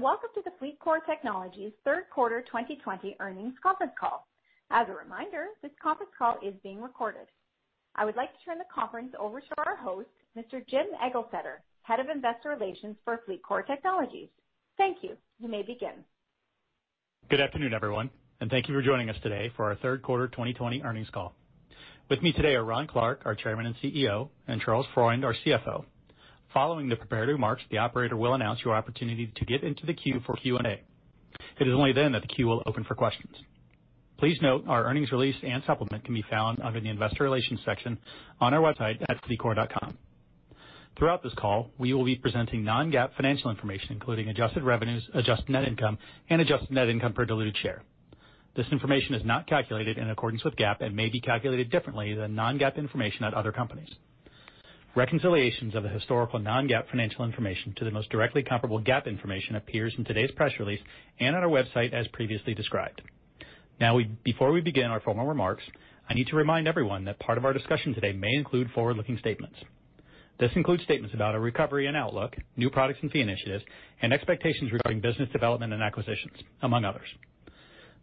Greetings, welcome to the FLEETCOR Technologies third quarter 2020 earnings conference call. As a reminder, this conference call is being recorded. I would like to turn the conference over to our host, Mr. Jim Eglseder, Head of Investor Relations for FLEETCOR Technologies. Thank you. You may begin. Good afternoon, everyone, and thank you for joining us today for our third quarter 2020 earnings call. With me today are Ron Clarke, our Chairman and CEO, and Charles Freund, our CFO. Following the prepared remarks, the operator will announce your opportunity to get into the queue for Q&A. It is only then that the queue will open for questions. Please note our earnings release and supplement can be found under the investor relations section on our website at FLEETCOR.com. Throughout this call, we will be presenting non-GAAP financial information, including adjusted revenues, adjusted net income, and adjusted net income per diluted share. This information is not calculated in accordance with GAAP and may be calculated differently than non-GAAP information at other companies. Reconciliations of the historical non-GAAP financial information to the most directly comparable GAAP information appears in today's press release and on our website as previously described. Now, before we begin our formal remarks, I need to remind everyone that part of our discussion today may include forward-looking statements. This includes statements about our recovery and outlook, new products and fee initiatives, and expectations regarding business development and acquisitions, among others.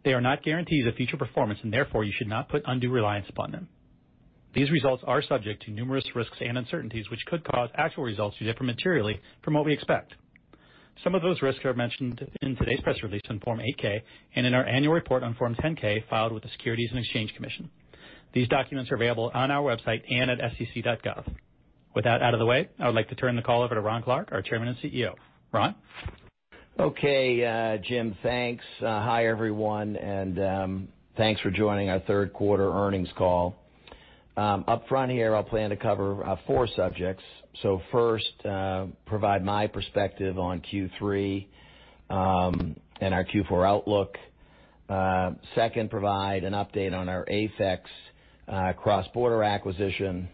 They are not guarantees of future performance, and therefore, you should not put undue reliance upon them. These results are subject to numerous risks and uncertainties, which could cause actual results to differ materially from what we expect. Some of those risks are mentioned in today's press release on Form 8-K and in our annual report on Form 10-K filed with the Securities and Exchange Commission. These documents are available on our website and at sec.gov. With that out of the way, I would like to turn the call over to Ron Clarke, our Chairman and CEO. Ron? Okay, Jim. Thanks. Hi, everyone, and thanks for joining our third quarter earnings call. Upfront here, I plan to cover four subjects. First, provide my perspective on Q3 and our Q4 outlook. Second, provide an update on our AFEX cross-border acquisition.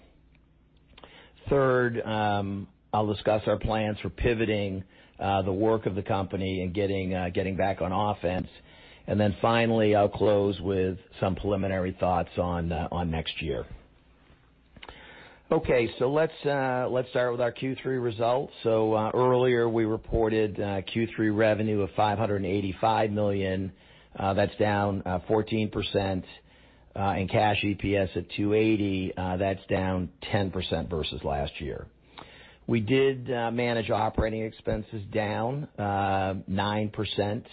Third, I'll discuss our plans for pivoting the work of the company and getting back on offense. Finally, I'll close with some preliminary thoughts on next year. Okay. Let's start with our Q3 results. Earlier, we reported Q3 revenue of $585 million. That's down 14%, and cash EPS at $2.80. That's down 10% versus last year. We did manage operating expenses down 9% in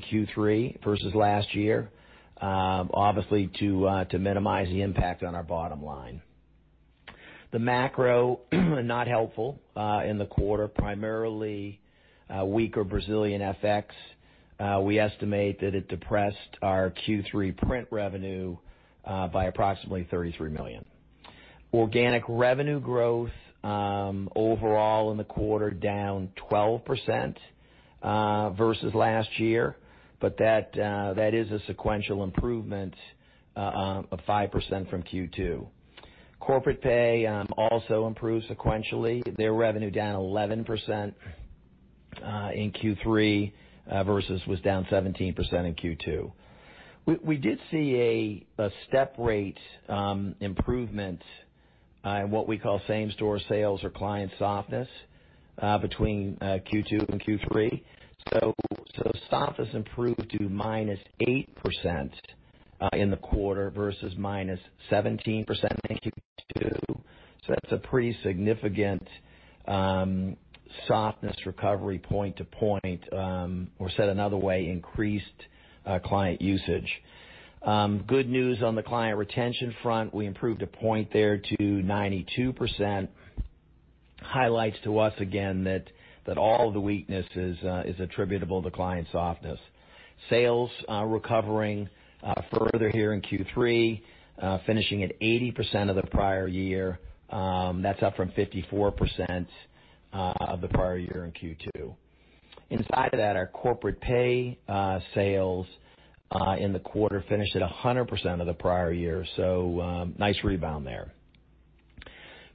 Q3 versus last year. Obviously, to minimize the impact on our bottom line. The macro, not helpful in the quarter, primarily weaker Brazilian FX. We estimate that it depressed our Q3 print revenue by approximately $33 million. Organic revenue growth overall in the quarter down 12% versus last year, but that is a sequential improvement of 5% from Q2. Corporate Payments also improved sequentially. Their revenue down 11% in Q3 versus was down 17% in Q2. We did see a step rate improvement in what we call same-store sales or client softness between Q2 and Q3. Softness improved to -8% in the quarter versus -17% in Q2. Said another way, increased client usage. Good news on the client retention front. We improved a point there to 92%. Highlights to us again that all the weakness is attributable to client softness. Sales recovering further here in Q3, finishing at 80% of the prior year. That's up from 54% of the prior year in Q2. Inside of that, our Corporate Payments sales in the quarter finished at 100% of the prior year. Nice rebound there.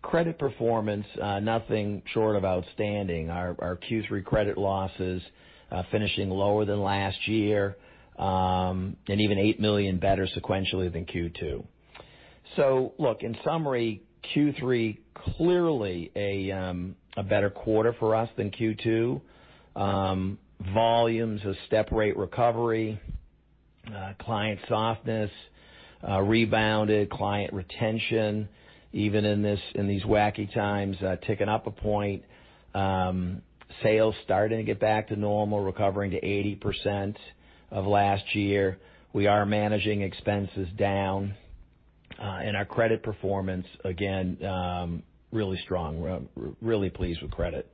Credit performance nothing short of outstanding. Our Q3 credit losses finishing lower than last year and even $8 million better sequentially than Q2. Look, in summary, Q3 clearly a better quarter for us than Q2. Volumes of step rate recovery, client softness rebounded, client retention even in these wacky times ticking up a point. Sales starting to get back to normal, recovering to 80% of last year. We are managing expenses down. Our credit performance, again really strong. Really pleased with credit.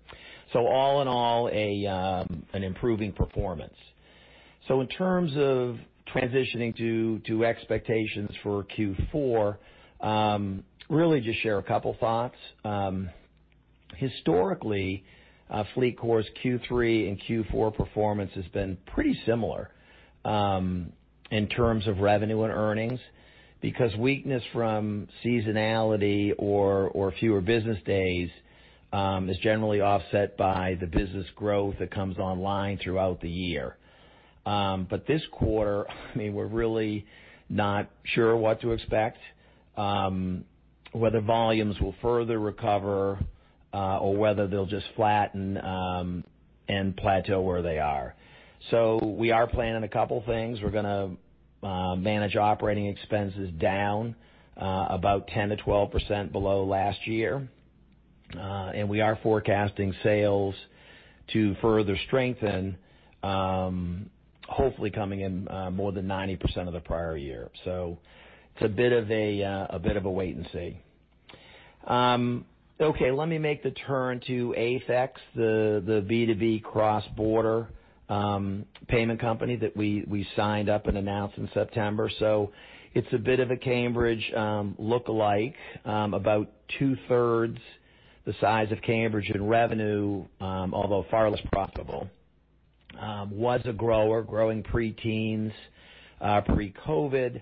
All in all, an improving performance. In terms of transitioning to expectations for Q4 really just share a couple thoughts. Historically, FLEETCOR's Q3 and Q4 performance has been pretty similar in terms of revenue and earnings because weakness from seasonality or fewer business days is generally offset by the business growth that comes online throughout the year. This quarter, we're really not sure what to expect. Whether volumes will further recover, or whether they'll just flatten and plateau where they are. We are planning a couple of things. We're going to manage operating expenses down about 10%-12% below last year. We are forecasting sales to further strengthen, hopefully coming in more than 90% of the prior year. It's a bit of a wait and see. Okay, let me make the turn to AFEX, the B2B cross-border payment company that we signed up and announced in September. It's a bit of a Cambridge lookalike. About two-thirds the size of Cambridge in revenue, although far less profitable. Was a grower, growing pre-teens pre-COVID,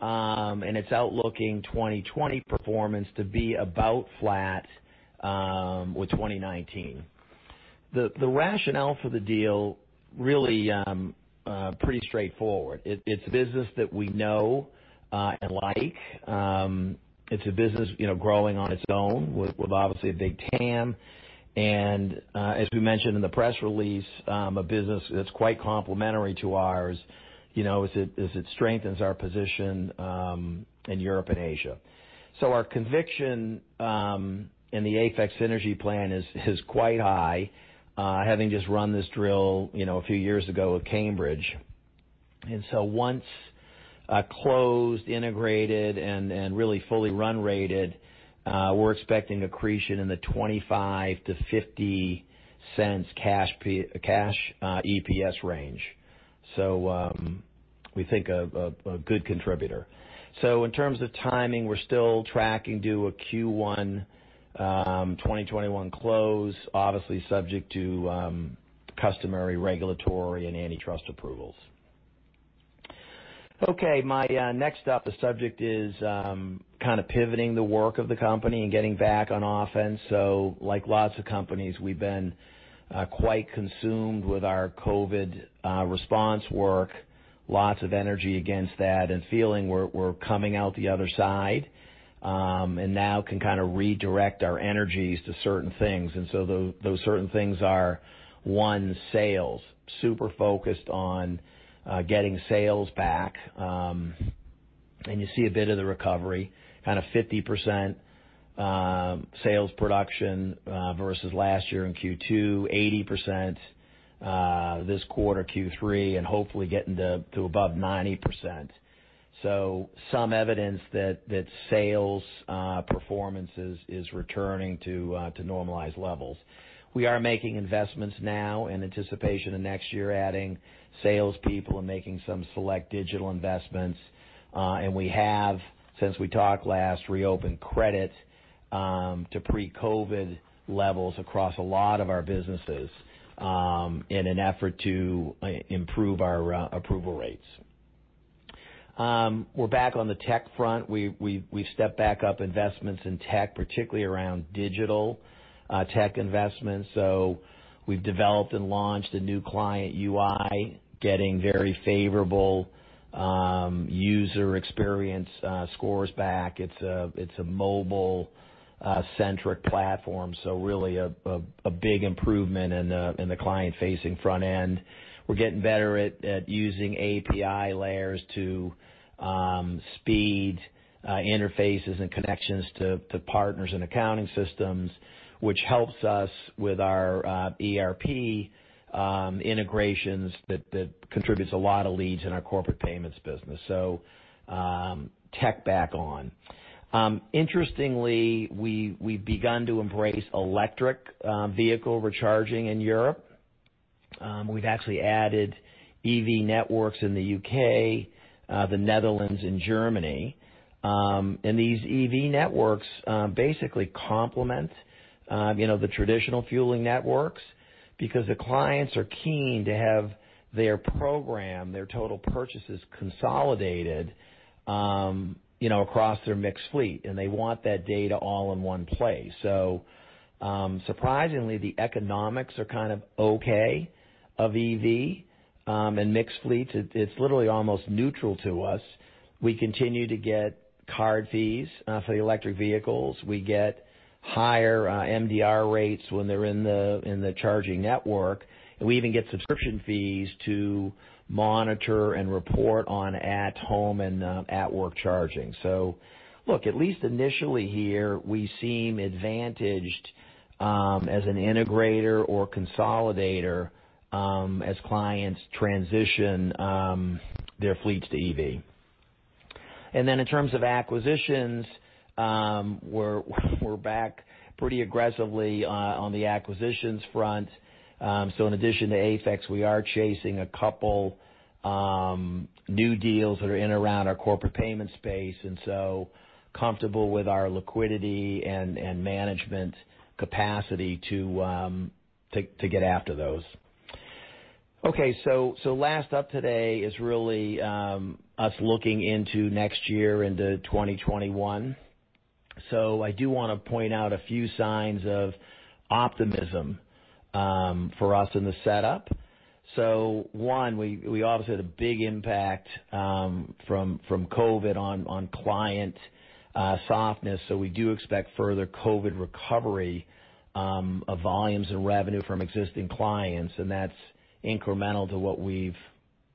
and it's outlooking 2020 performance to be about flat with 2019. The rationale for the deal, really pretty straightforward. It's a business that we know and like. It's a business growing on its own with obviously a big TAM, and as we mentioned in the press release, a business that's quite complementary to ours, as it strengthens our position in Europe and Asia. Our conviction in the AFEX synergy plan is quite high, having just run this drill a few years ago with Cambridge. Once closed, integrated, and really fully run rated, we're expecting accretion in the $0.25-$0.50 cash EPS range. We think a good contributor. In terms of timing, we're still tracking to a Q1 2021 close, obviously subject to customary regulatory and antitrust approvals. My next up the subject is kind of pivoting the work of the company and getting back on offense. Like lots of companies, we've been quite consumed with our COVID response work. Lots of energy against that and feeling we're coming out the other side, and now can kind of redirect our energies to certain things. Those certain things are, one, sales. Super focused on getting sales back. You see a bit of the recovery, kind of 50% sales production versus last year in Q2, 80% this quarter, Q3, and hopefully getting to above 90%. Some evidence that sales performance is returning to normalized levels. We are making investments now in anticipation of next year, adding salespeople and making some select digital investments. We have, since we talked last, reopened credit to pre-COVID levels across a lot of our businesses in an effort to improve our approval rates. We're back on the tech front. We've stepped back up investments in tech, particularly around digital tech investments. We've developed and launched a new client UI, getting very favorable user experience scores back. It's a mobile-centric platform, so really a big improvement in the client-facing front end. We're getting better at using API layers to speed interfaces and connections to partners and accounting systems, which helps us with our ERP integrations that contributes a lot of leads in our Corporate Payments business. Tech back on. Interestingly, we've begun to embrace electric vehicle recharging in Europe. We've actually added EV networks in the U.K., the Netherlands, and Germany. These EV networks basically complement the traditional fueling networks because the clients are keen to have their program, their total purchases consolidated across their mixed fleet. They want that data all in one place. Surprisingly, the economics are kind of okay of EV and mixed fleets. It's literally almost neutral to us. We continue to get card fees for the electric vehicles. We get higher MDR rates when they're in the charging network. We even get subscription fees to monitor and report on at-home and at-work charging. Look, at least initially here, we seem advantaged as an integrator or consolidator as clients transition their fleets to EV. Then in terms of acquisitions, we're back pretty aggressively on the acquisitions front. In addition to AFEX, we are chasing a couple new deals that are in around our Corporate Payments space, comfortable with our liquidity and management capacity to get after those. Last up today is really us looking into next year, into 2021. I do want to point out a few signs of optimism for us in the setup. One, we obviously had a big impact from COVID on client softness. We do expect further COVID recovery of volumes and revenue from existing clients, and that's incremental to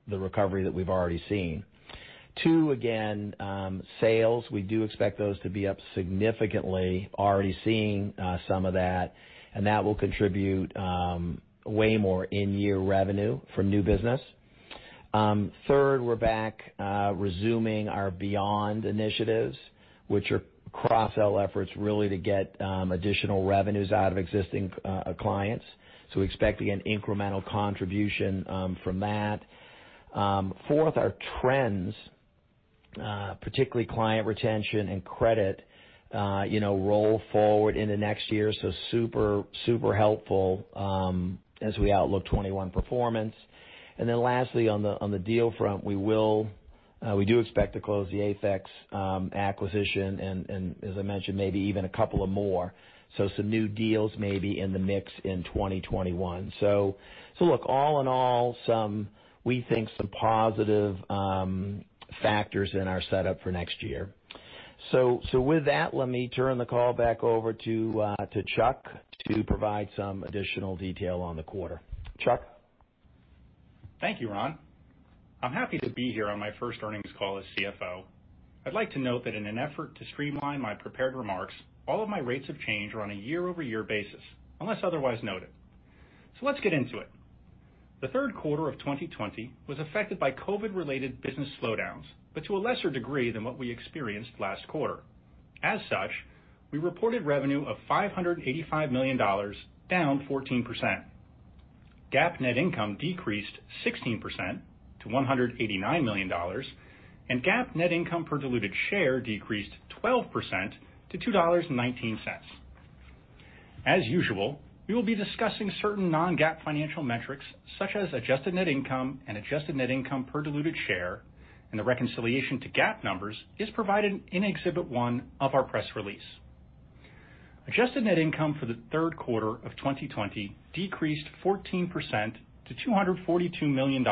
the recovery that we've already seen. Two, again, sales, we do expect those to be up significantly, already seeing some of that, and that will contribute way more in-year revenue from new business. Third, we're back resuming our Beyond initiatives, which are cross-sell efforts really to get additional revenues out of existing clients. Expect again incremental contribution from that. Fourth, our trends, particularly client retention and credit roll forward into next year, super helpful as we outlook 2021 performance. Lastly, on the deal front, we do expect to close the AFEX acquisition and as I mentioned, maybe even a couple of more. Some new deals may be in the mix in 2021. Look, all in all, we think some positive factors in our setup for next year. With that, let me turn the call back over to Chuck to provide some additional detail on the quarter. Chuck? Thank you, Ron. I'm happy to be here on my first earnings call as CFO. I'd like to note that in an effort to streamline my prepared remarks, all of my rates of change are on a year-over-year basis, unless otherwise noted. Let's get into it. The third quarter of 2020 was affected by COVID-related business slowdowns, but to a lesser degree than what we experienced last quarter. As such, we reported revenue of $585 million, down 14%. GAAP net income decreased 16% to $189 million, and GAAP net income per diluted share decreased 12% to $2.19. As usual, we will be discussing certain non-GAAP financial metrics, such as adjusted net income and adjusted net income per diluted share, and the reconciliation to GAAP numbers is provided in exhibit one of our press release. Adjusted net income for the third quarter of 2020 decreased 14% to $242 million,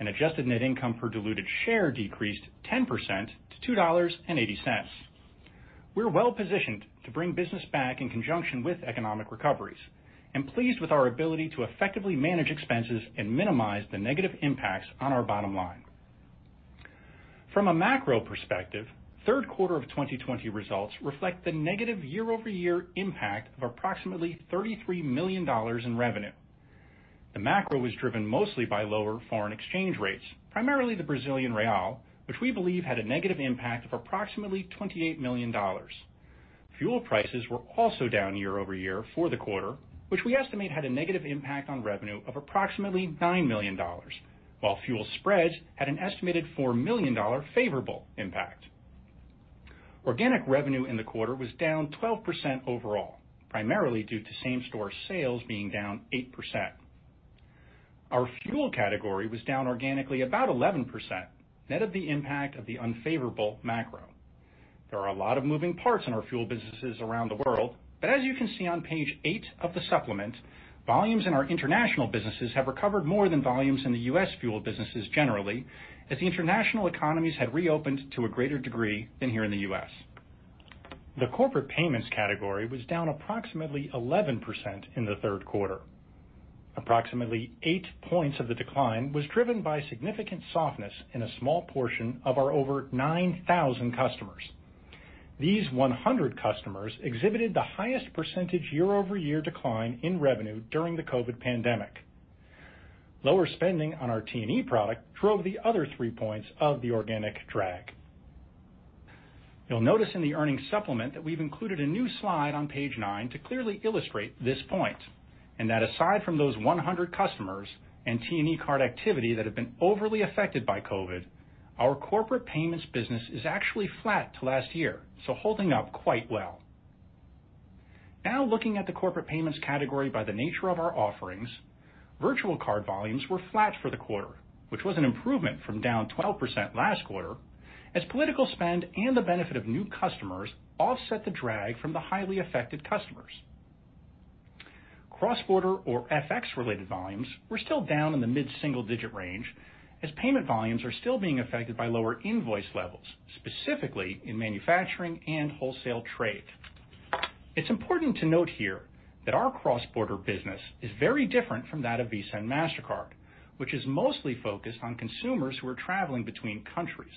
and adjusted net income per diluted share decreased 10% to $2.80. We're well-positioned to bring business back in conjunction with economic recoveries, and pleased with our ability to effectively manage expenses and minimize the negative impacts on our bottom line. From a macro perspective, third quarter of 2020 results reflect the negative year-over-year impact of approximately $33 million in revenue. The macro was driven mostly by lower foreign exchange rates, primarily the Brazilian real, which we believe had a negative impact of approximately $28 million. Fuel prices were also down year-over-year for the quarter, which we estimate had a negative impact on revenue of approximately $9 million, while fuel spreads had an estimated $4 million favorable impact. Organic revenue in the quarter was down 12% overall, primarily due to same-store sales being down 8%. Our fuel category was down organically about 11%, net of the impact of the unfavorable macro. There are a lot of moving parts in our fuel businesses around the world, but as you can see on page eight of the supplement, volumes in our international businesses have recovered more than volumes in the U.S. fuel businesses generally, as the international economies had reopened to a greater degree than here in the U.S. The Corporate Payments category was down approximately 11% in the third quarter. Approximately eight points of the decline was driven by significant softness in a small portion of our over 9,000 customers. These 100 customers exhibited the highest percentage year-over-year decline in revenue during the COVID pandemic. Lower spending on our T&E product drove the other three points of the organic drag. You'll notice in the earnings supplement that we've included a new slide on page nine to clearly illustrate this point, and that aside from those 100 customers and T&E card activity that have been overly affected by COVID, our Corporate Payments business is actually flat to last year, so holding up quite well. Looking at the Corporate Payments category by the nature of our offerings, virtual card volumes were flat for the quarter, which was an improvement from down 12% last quarter, as political spend and the benefit of new customers offset the drag from the highly affected customers. Cross-border or FX-related volumes were still down in the mid-single-digit range, as payment volumes are still being affected by lower invoice levels, specifically in manufacturing and wholesale trade. It's important to note here that our cross-border business is very different from that of Visa and Mastercard, which is mostly focused on consumers who are traveling between countries.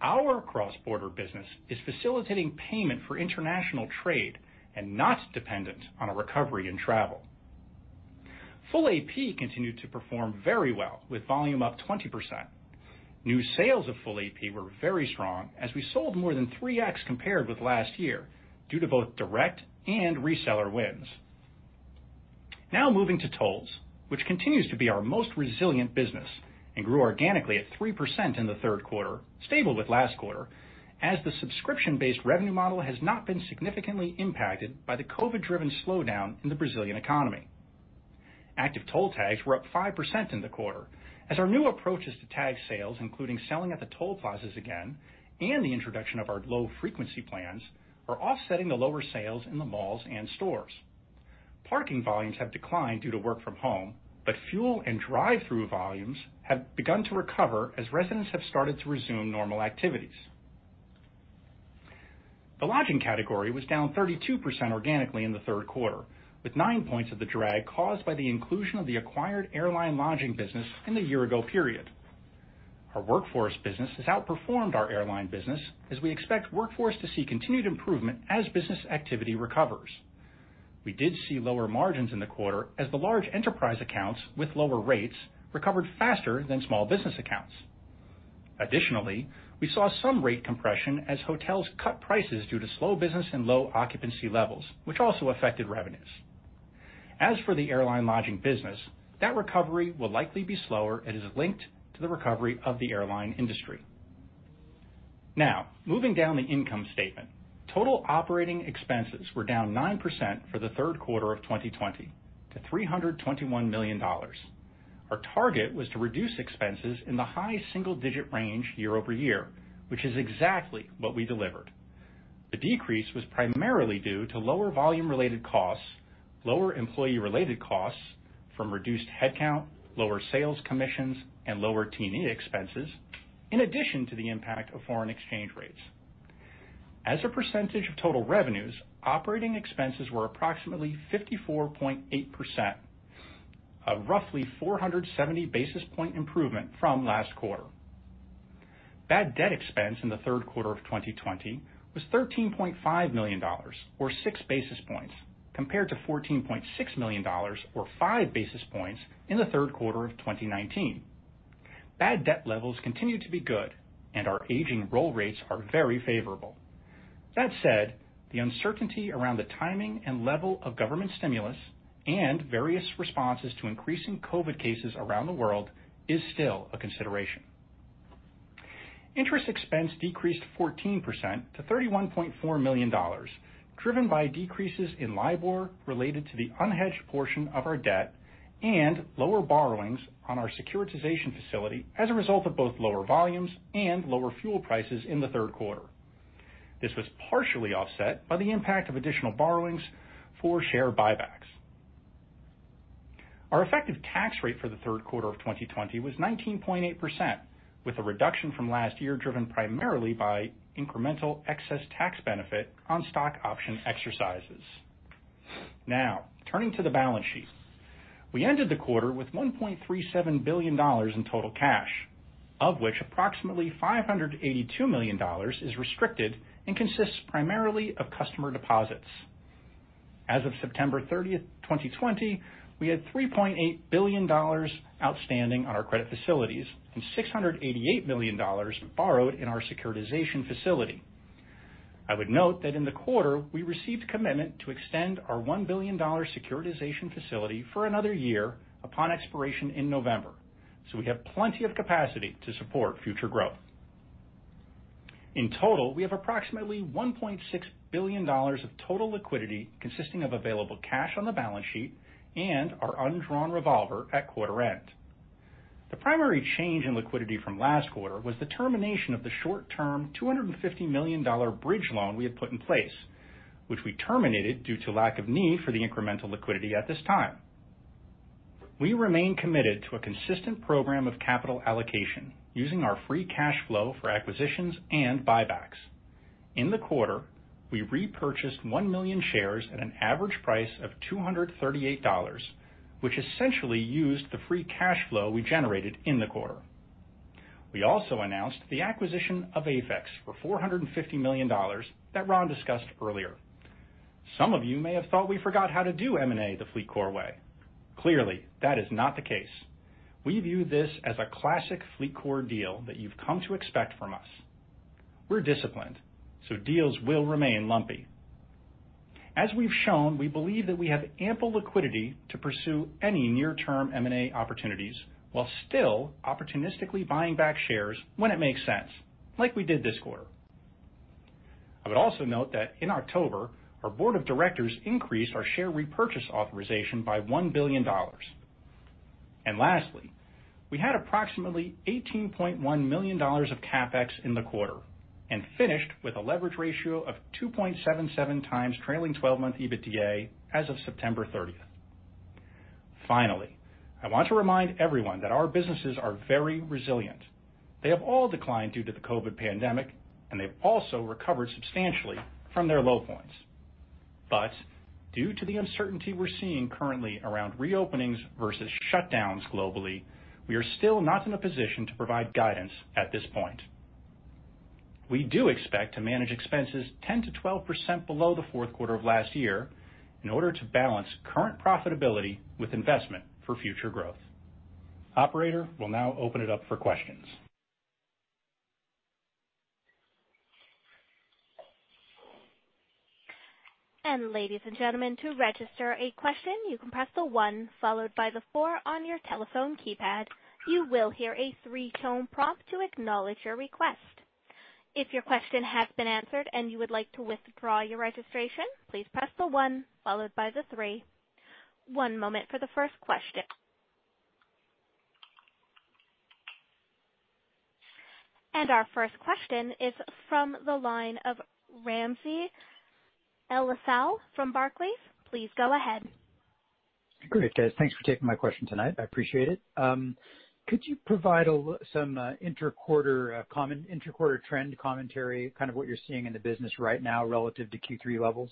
Our cross-border business is facilitating payment for international trade and not dependent on a recovery in travel. Full AP continued to perform very well with volume up 20%. New sales of Full AP were very strong as we sold more than 3x compared with last year due to both direct and reseller wins. Now moving to tolls, which continues to be our most resilient business and grew organically at 3% in the third quarter, stable with last quarter, as the subscription-based revenue model has not been significantly impacted by the COVID-driven slowdown in the Brazilian economy. Active toll tags were up 5% in the quarter as our new approaches to tag sales, including selling at the toll plazas again and the introduction of our low-frequency plans, are offsetting the lower sales in the malls and stores. Parking volumes have declined due to work from home, but fuel and drive-through volumes have begun to recover as residents have started to resume normal activities. The lodging category was down 32% organically in the third quarter, with 9 points of the drag caused by the inclusion of the acquired airline lodging business in the year-ago period. Our workforce business has outperformed our airline business as we expect workforce to see continued improvement as business activity recovers. We did see lower margins in the quarter as the large enterprise accounts with lower rates recovered faster than small business accounts. Additionally, we saw some rate compression as hotels cut prices due to slow business and low occupancy levels, which also affected revenues. As for the airline lodging business, that recovery will likely be slower, as it is linked to the recovery of the airline industry. Now, moving down the income statement. Total operating expenses were down 9% for the third quarter of 2020 to $321 million. Our target was to reduce expenses in the high single-digit range year-over-year, which is exactly what we delivered. The decrease was primarily due to lower volume-related costs, lower employee-related costs from reduced headcount, lower sales commissions, and lower T&E expenses, in addition to the impact of foreign exchange rates. As a percentage of total revenues, operating expenses were approximately 54.8%, a roughly 470-basis-point improvement from last quarter. Bad debt expense in the third quarter of 2020 was $13.5 million, or 6 basis points, compared to $14.6 million, or 5 basis points, in the third quarter of 2019. Bad debt levels continue to be good, and our aging roll rates are very favorable. That said, the uncertainty around the timing and level of government stimulus and various responses to increasing COVID cases around the world is still a consideration. Interest expense decreased 14% to $31.4 million, driven by decreases in LIBOR related to the unhedged portion of our debt and lower borrowings on our securitization facility as a result of both lower volumes and lower fuel prices in the third quarter. This was partially offset by the impact of additional borrowings for share buybacks. Our effective tax rate for the third quarter of 2020 was 19.8%, with a reduction from last year driven primarily by incremental excess tax benefit on stock option exercises. Now, turning to the balance sheet. We ended the quarter with $1.37 billion in total cash, of which approximately $582 million is restricted and consists primarily of customer deposits. As of September 30th, 2020, we had $3.8 billion outstanding on our credit facilities and $688 million borrowed in our securitization facility. I would note that in the quarter, we received commitment to extend our $1 billion securitization facility for another year upon expiration in November. We have plenty of capacity to support future growth. In total, we have approximately $1.6 billion of total liquidity consisting of available cash on the balance sheet and our undrawn revolver at quarter end. The primary change in liquidity from last quarter was the termination of the short term $250 million bridge loan we had put in place, which we terminated due to lack of need for the incremental liquidity at this time. We remain committed to a consistent program of capital allocation using our free cash flow for acquisitions and buybacks. In the quarter, we repurchased 1 million shares at an average price of $238, which essentially used the free cash flow we generated in the quarter. We also announced the acquisition of AFEX for $450 million that Ron discussed earlier. Some of you may have thought we forgot how to do M&A the FLEETCOR way. Clearly, that is not the case. We view this as a classic FLEETCOR deal that you've come to expect from us. We're disciplined, deals will remain lumpy. As we've shown, we believe that we have ample liquidity to pursue any near-term M&A opportunities while still opportunistically buying back shares when it makes sense, like we did this quarter. I would also note that in October, our board of directors increased our share repurchase authorization by $1 billion. Lastly, we had approximately $18.1 million of CapEx in the quarter and finished with a leverage ratio of 2.77x trailing 12-month EBITDA as of September 30th. Finally, I want to remind everyone that our businesses are very resilient. They have all declined due to the COVID pandemic, and they've also recovered substantially from their low points. Due to the uncertainty we're seeing currently around reopenings versus shutdowns globally, we are still not in a position to provide guidance at this point. We do expect to manage expenses 10%-12% below the fourth quarter of last year in order to balance current profitability with investment for future growth. Operator, we'll now open it up for questions. Ladies and gentlemen, to register a question, you can press the one followed by the four on your telephone keypad. You will hear a three-tone prompt to acknowledge your request. If your question has been answered and you would like to withdraw your registration, please press the one followed by the three. One moment for the first question. Our first question is from the line of Ramsey El-Assal from Barclays. Please go ahead. Great. Thanks for taking my question tonight. I appreciate it. Could you provide some inter-quarter trend commentary, kind of what you're seeing in the business right now relative to Q3 levels?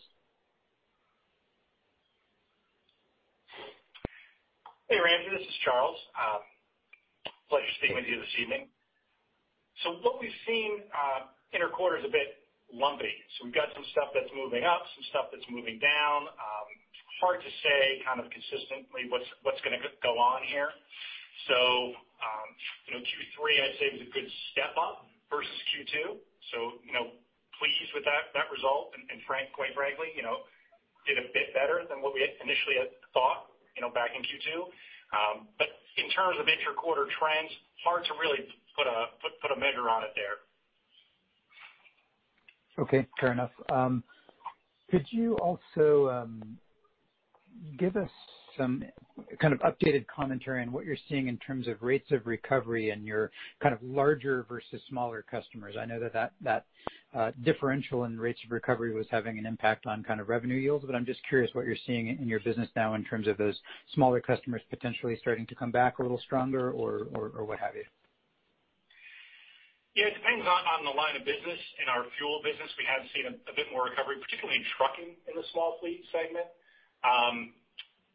Hey, Ramsey. This is Charles. Pleasure speaking with you this evening. What we've seen inter-quarter is a bit lumpy. We've got some stuff that's moving up, some stuff that's moving down. Hard to say kind of consistently what's going to go on here. Q3, I'd say, was a good step up versus Q2, so pleased with that result. Quite frankly, did a bit better than what we initially had thought back in Q2. In terms of inter-quarter trends, hard to really put a measure on it there. Okay. Fair enough. Could you also give us some kind of updated commentary on what you're seeing in terms of rates of recovery in your kind of larger versus smaller customers? I know that differential in rates of recovery was having an impact on kind of revenue yields, but I'm just curious what you're seeing in your business now in terms of those smaller customers potentially starting to come back a little stronger or what have you? Yeah, it depends on the line of business. In our fuel business, we have seen a bit more recovery, particularly in trucking in the small fleet segment.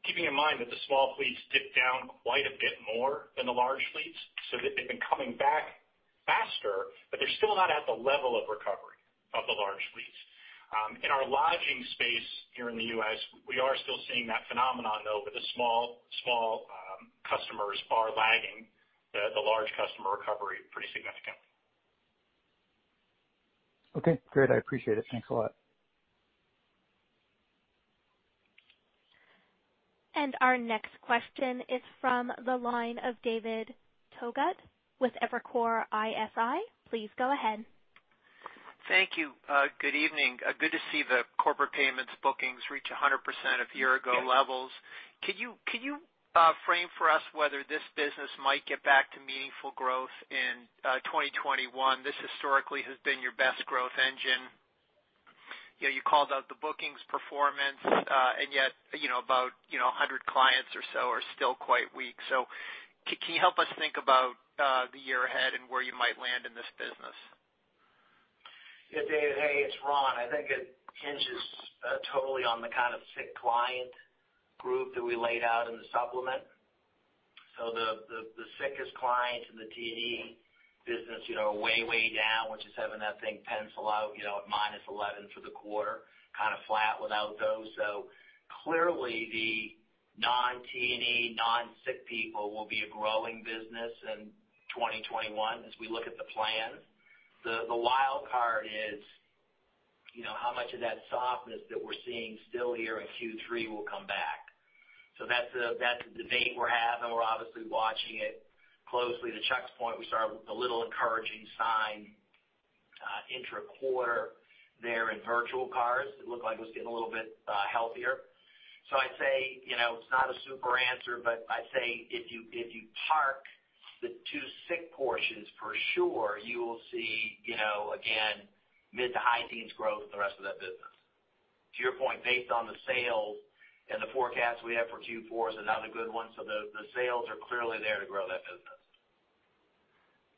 Keeping in mind that the small fleets dipped down quite a bit more than the large fleets, so they've been coming back faster, but they're still not at the level of recovery of the large fleets. In our lodging space here in the U.S., we are still seeing that phenomenon, though, where the small customers are lagging the large customer recovery pretty significantly. Okay, great. I appreciate it. Thanks a lot. Our next question is from the line of David Togut with Evercore ISI. Please go ahead. Thank you. Good evening. Good to see the Corporate Payments bookings reach 100% of year-ago levels. Can you frame for us whether this business might get back to meaningful growth in 2021? This historically has been your best growth engine. You called out the bookings performance, yet about 100 clients or so are still quite weak. Can you help us think about the year ahead and where you might land in this business? David. Hey, it's Ron. I think it hinges totally on the kind of sick client group that we laid out in the supplement. The sickest clients in the T&E business are way down, which is having that thing pencil out at -11% for the quarter, kind of flat without those. Clearly the non-T&E, non-sick people will be a growing business in 2021 as we look at the plan. The wild card is how much of that softness that we're seeing still here in Q3 will come back. That's the debate we're having. We're obviously watching it closely. To Chuck's point, we saw a little encouraging sign intra-quarter there in virtual cards. It looked like it was getting a little bit healthier. I'd say it's not a super answer, but I'd say if you park the two sick portions, for sure you will see again mid to high teens growth in the rest of that business. To your point, based on the sales and the forecast we have for Q4 is another good one. The sales are clearly there to grow that business.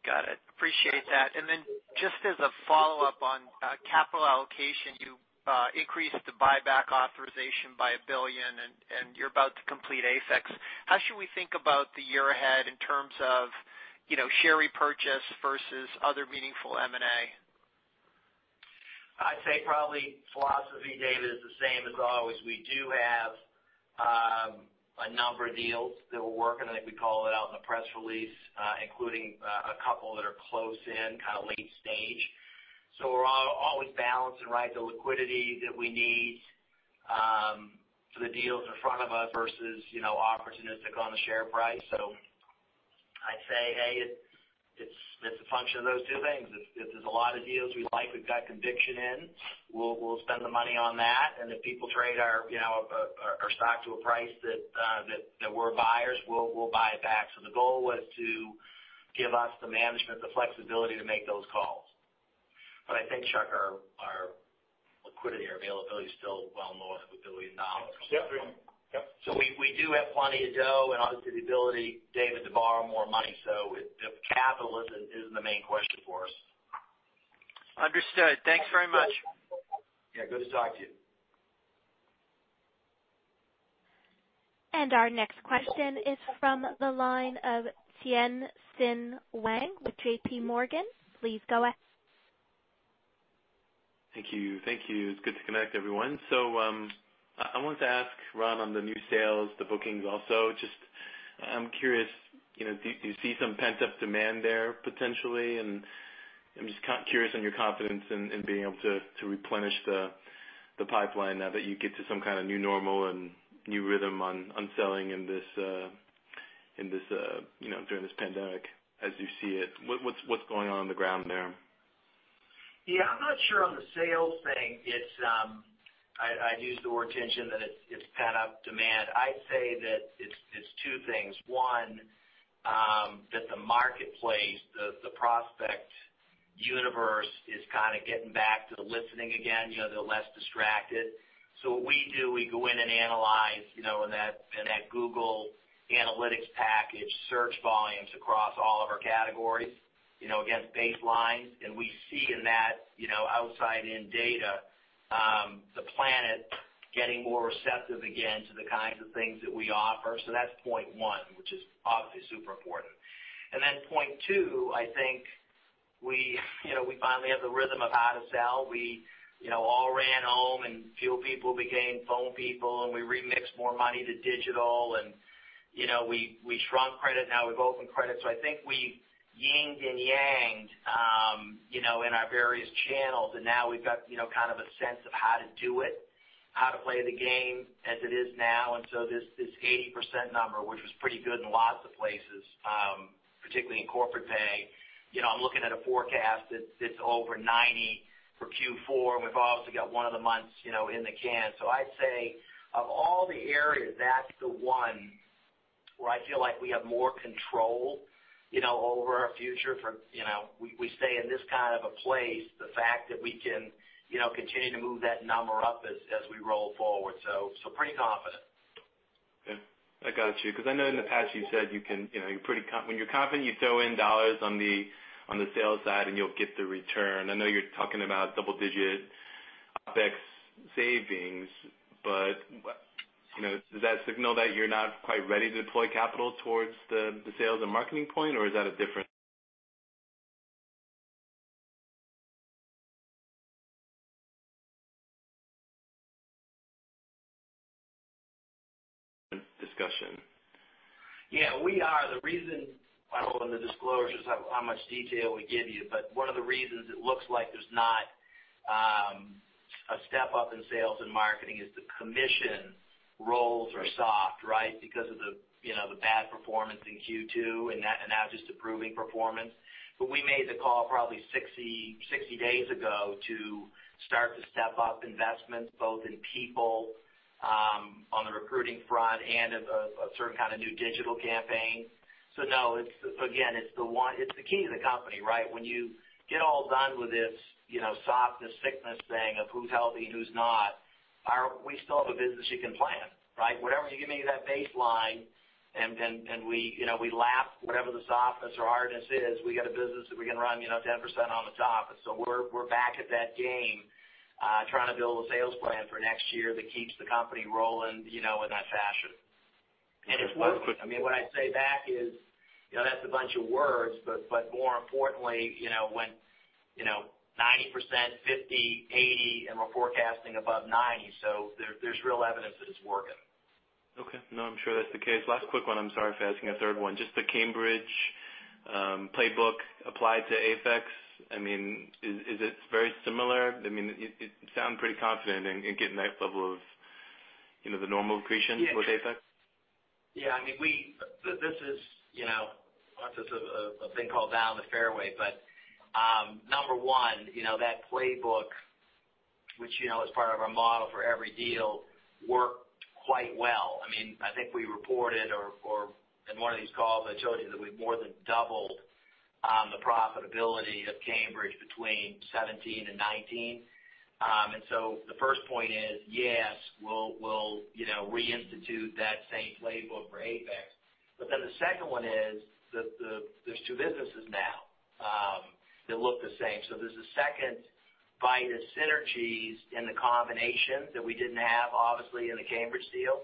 Got it. Appreciate that. Then just as a follow-up on capital allocation, you increased the buyback authorization by $1 billion, and you're about to complete AFEX. How should we think about the year ahead in terms of share repurchase versus other meaningful M&A? I'd say probably philosophy, David, is the same as always. We do have a number of deals that we're working on. I think we call it out in the press release, including a couple that are close in kind of late stage. We're always balancing the liquidity that we need for the deals in front of us versus opportunistic on the share price. I'd say, hey, it's a function of those two things. If there's a lot of deals we like, we've got conviction in, we'll spend the money on that, and if people trade our stock to a price that we're buyers, we'll buy it back. The goal was to give us the management, the flexibility to make those calls. I think, Chuck, our liquidity or availability is still well north of $1 billion coming through. Yep. We do have plenty of dough and obviously the ability, David, to borrow more money. Capital isn't the main question for us. Understood. Thanks very much. Yeah. Good to talk to you. Our next question is from the line of Tien-Tsin Huang with JPMorgan. Please go. Thank you. Thank you. It's good to connect everyone. I wanted to ask Ron on the new sales, the bookings also, just I'm curious, do you see some pent-up demand there potentially? I'm just curious on your confidence in being able to replenish the pipeline now that you get to some kind of new normal and new rhythm on selling in this, during this pandemic, as you see it, what's going on on the ground there? Yeah, I'm not sure on the sales thing. I'd use the word tension that it's pent up demand. I'd say that it's two things. One, that the marketplace, the prospect universe, is kind of getting back to the listening again, they're less distracted. What we do, we go in and analyze, in that Google Analytics package, search volumes across all of our categories against baselines. We see in that outside-in data, the planet getting more receptive again to the kinds of things that we offer. That's point one, which is obviously super important. Then point two, I think we finally have the rhythm of how to sell. We all ran home and field people became phone people, and we remixed more money to digital and we shrunk credit. Now we've opened credit. I think we've ying and yanged in our various channels, and now we've got kind of a sense of how to do it, how to play the game as it is now. This 80% number, which was pretty good in lots of places, particularly in Corporate Payments. I'm looking at a forecast that's over 90% for Q4, and we've obviously got one of the months in the can. I'd say of all the areas, that's the one where I feel like we have more control over our future for We stay in this kind of a place, the fact that we can continue to move that number up as we roll forward. Pretty confident. Okay. I got you, because I know in the past you've said when you're confident, you throw in dollars on the sales side and you'll get the return. I know you're talking about double-digit OpEx savings, does that signal that you're not quite ready to deploy capital towards the sales and marketing point, or is that a different discussion? Yeah, we are. The reason in the disclosures how much detail we give you, one of the reasons it looks like there's not a step-up in sales and marketing is the commission rolls are soft, right? Because of the bad performance in Q2 and now just improving performance. We made the call probably 60 days ago to start to step up investments, both in people on the recruiting front and a certain kind of new digital campaign. No, again, it's the key to the company, right? When you get all done with this softness, sickness thing of who's healthy, who's not, we still have a business you can plan, right? Whatever you give me that baseline and we lap whatever the softness or hardness is, we got a business that we can run 10% on the top. We're back at that game, trying to build a sales plan for next year that keeps the company rolling in that fashion. It works. What I'd say back is, that's a bunch of words, but more importantly, when 90%, 50%, 80%, and we're forecasting above 90%, so there's real evidence that it's working. Okay. No, I'm sure that's the case. Last quick one. I'm sorry for asking a third one. Just the Cambridge playbook applied to AFEX. Is it very similar? You sound pretty confident in getting that level of the normal accretion with AFEX. This is a thing called down the fairway. Number one, that playbook, which is part of our model for every deal, worked quite well. I think we reported or in one of these calls, I showed you that we more than doubled the profitability of Cambridge between 2017 and 2019. The first point is, yes, we'll reinstitute that same playbook for AFEX. The second one is there's two businesses now that look the same. There's a second bite of synergies in the combination that we didn't have, obviously, in the Cambridge deal.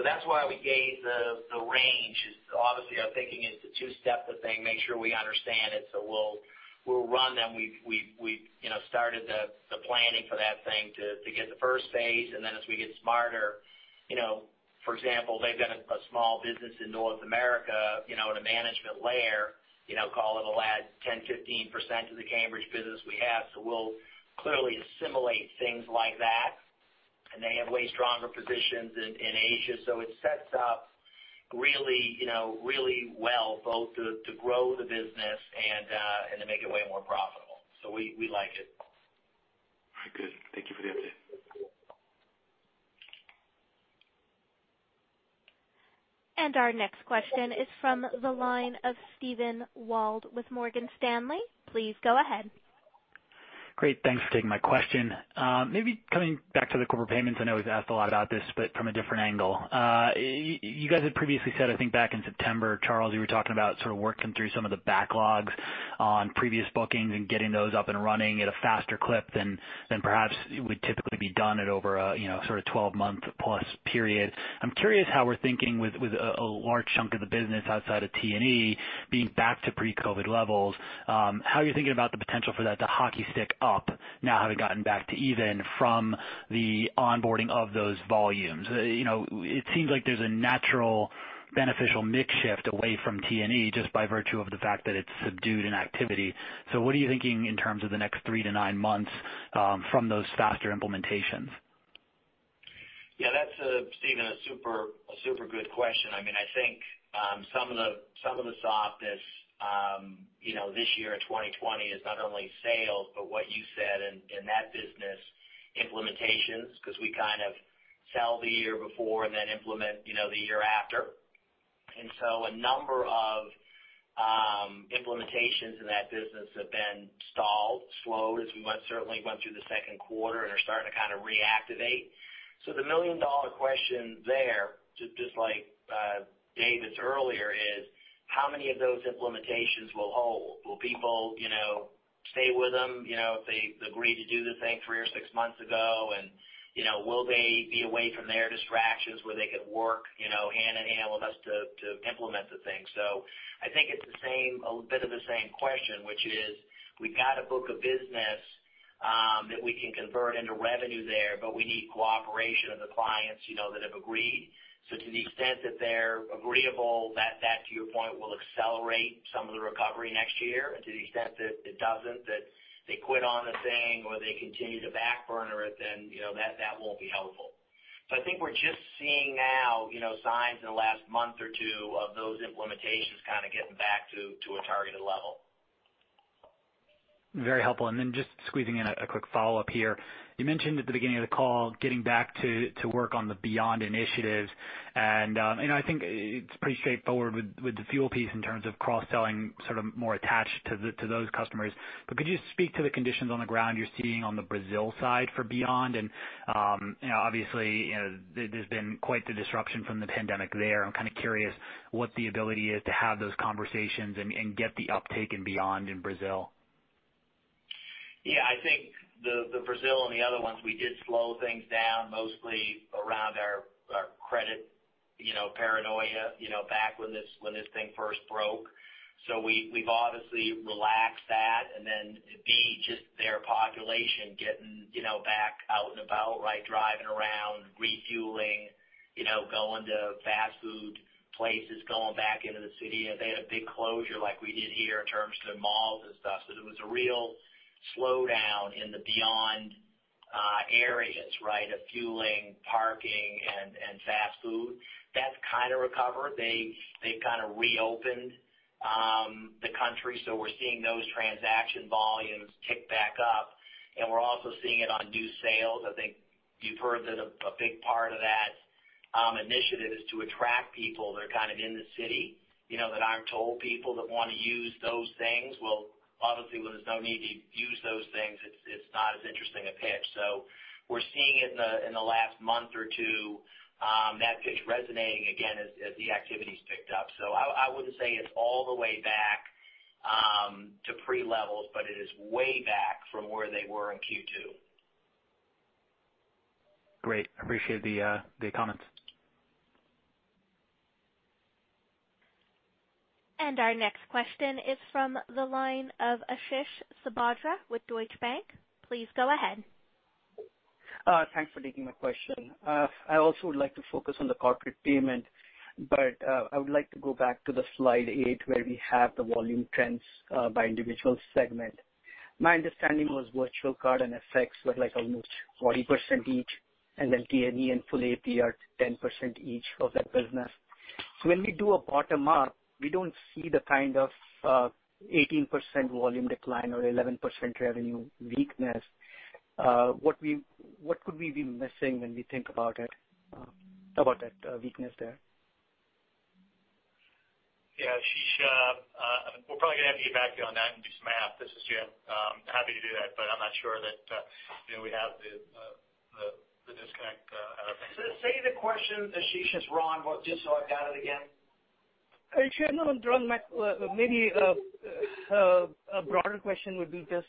That's why we gave the range is obviously our thinking is to two-step the thing, make sure we understand it. We'll run them. We've started the planning for that thing to get the first phase. Then as we get smarter, for example, they've got a small business in North America in a management layer, call it'll add 10%, 15% to the Cambridge business we have. We'll clearly assimilate things like that. They have way stronger positions in Asia. It sets up really well both to grow the business and to make it way more profitable. We like it. All right, good. Thank you for the update. Our next question is from the line of Steven Wald with Morgan Stanley. Please go ahead. Great. Thanks for taking my question. Maybe coming back to the Corporate Payments. I know we've asked a lot about this, but from a different angle. You guys had previously said, I think back in September, Charles, you were talking about sort of working through some of the backlogs on previous bookings and getting those up and running at a faster clip than perhaps would typically be done at over a sort of 12-month-plus period. I'm curious how we're thinking with a large chunk of the business outside of T&E being back to pre-COVID levels. How are you thinking about the potential for that to hockey stick up now having gotten back to even from the onboarding of those volumes? It seems like there's a natural beneficial mix shift away from T&E just by virtue of the fact that it's subdued in activity. What are you thinking in terms of the next three to nine months from those faster implementations? That's, Steven, a super good question. I think some of the softness this year in 2020 is not only sales, but what you said in that business, implementations, because we kind of sell the year before and then implement the year after. A number of implementations in that business have been stalled, slowed as we certainly went through the second quarter, and are starting to kind of reactivate. The million-dollar question there, just like David's earlier, is how many of those implementations will hold? Will people stay with them if they agreed to do the thing three or six months ago, and will they be away from their distractions where they could work hand in hand with us to implement the thing? I think it's a bit of the same question, which is we've got a book of business that we can convert into revenue there, but we need cooperation of the clients that have agreed. To the extent that they're agreeable, that, to your point, will accelerate some of the recovery next year. To the extent that it doesn't, that they quit on the thing or they continue to back burner it, then that won't be helpful. I think we're just seeing now signs in the last month or two of those implementations kind of getting back to a targeted level. Very helpful. Then just squeezing in a quick follow-up here. You mentioned at the beginning of the call getting back to work on the Beyond initiatives, I think it's pretty straightforward with the fuel piece in terms of cross-selling sort of more attached to those customers. Could you speak to the conditions on the ground you're seeing on the Brazil side for Beyond? Obviously, there's been quite the disruption from the pandemic there. I'm kind of curious what the ability is to have those conversations and get the uptake in Beyond in Brazil. Yeah, I think the Brazil and the other ones, we did slow things down mostly around our credit paranoia back when this thing first broke. We've obviously relaxed that, and then B, just their population getting back out and about, driving around, refueling, going to fast food places, going back into the city. They had a big closure like we did here in terms of their malls and stuff. There was a real slowdown in the Beyond areas of fueling, parking, and fast food. That's kind of recovered. They've kind of reopened the country, so we're seeing those transaction volumes tick back up, and we're also seeing it on new sales. I think you've heard that a big part of that initiative is to attract people that are kind of in the city, that aren't toll people that want to use those things. Well, obviously, when there's no need to use those things, it's not as interesting a pitch. We're seeing it in the last month or two that pitch resonating again as the activity's picked up. I wouldn't say it's all the way back to pre-levels, but it is way back from where they were in Q2. Great. I appreciate the comments. Our next question is from the line of Ashish Sabadra with Deutsche Bank. Please go ahead. Thanks for taking my question. I also would like to focus on the Corporate Payments. I would like to go back to the slide eight where we have the volume trends by individual segment. My understanding was virtual card and AFEX were almost 40% each. T&E and Full AP are 10% each of that business. When we do a bottom up, we don't see the kind of 18% volume decline or 11% revenue weakness. What could we be missing when we think about that weakness there? Yeah. Ashish, we're probably going to have to get back to you on that and do some math. This is Jim. I'm happy to do that, but I'm not sure that we have the disconnect. Say the question, Ashish, it's Ron, just so I've got it again. Actually, no, Ron, maybe a broader question would be just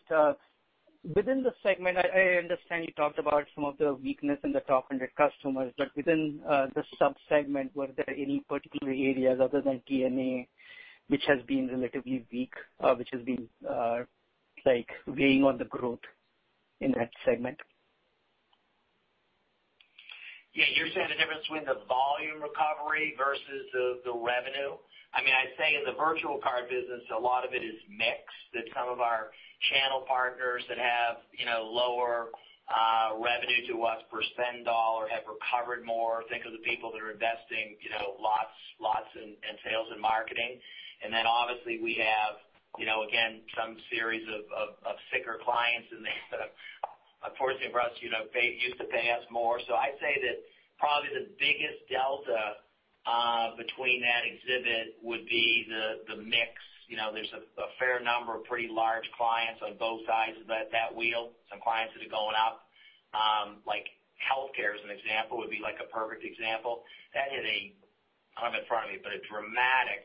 within the segment, I understand you talked about some of the weakness in the top 100 customers, but within the sub-segment, were there any particular areas other than T&E which has been relatively weak, which has been weighing on the growth in that segment? Yeah. You're saying the difference between the volume recovery versus the revenue? I'd say in the virtual card business, a lot of it is mix, that some of our channel partners that have lower revenue to us per spend dollar have recovered more. Think of the people that are investing lots in sales and marketing. Obviously we have, again, some series of sicker clients in there that unfortunately for us used to pay us more. I'd say that probably the biggest delta between that exhibit would be the mix. There's a fair number of pretty large clients on both sides of that wheel. Some clients that are going up, like healthcare as an example would be a perfect example. That had a, I don't have it in front of me, but a dramatic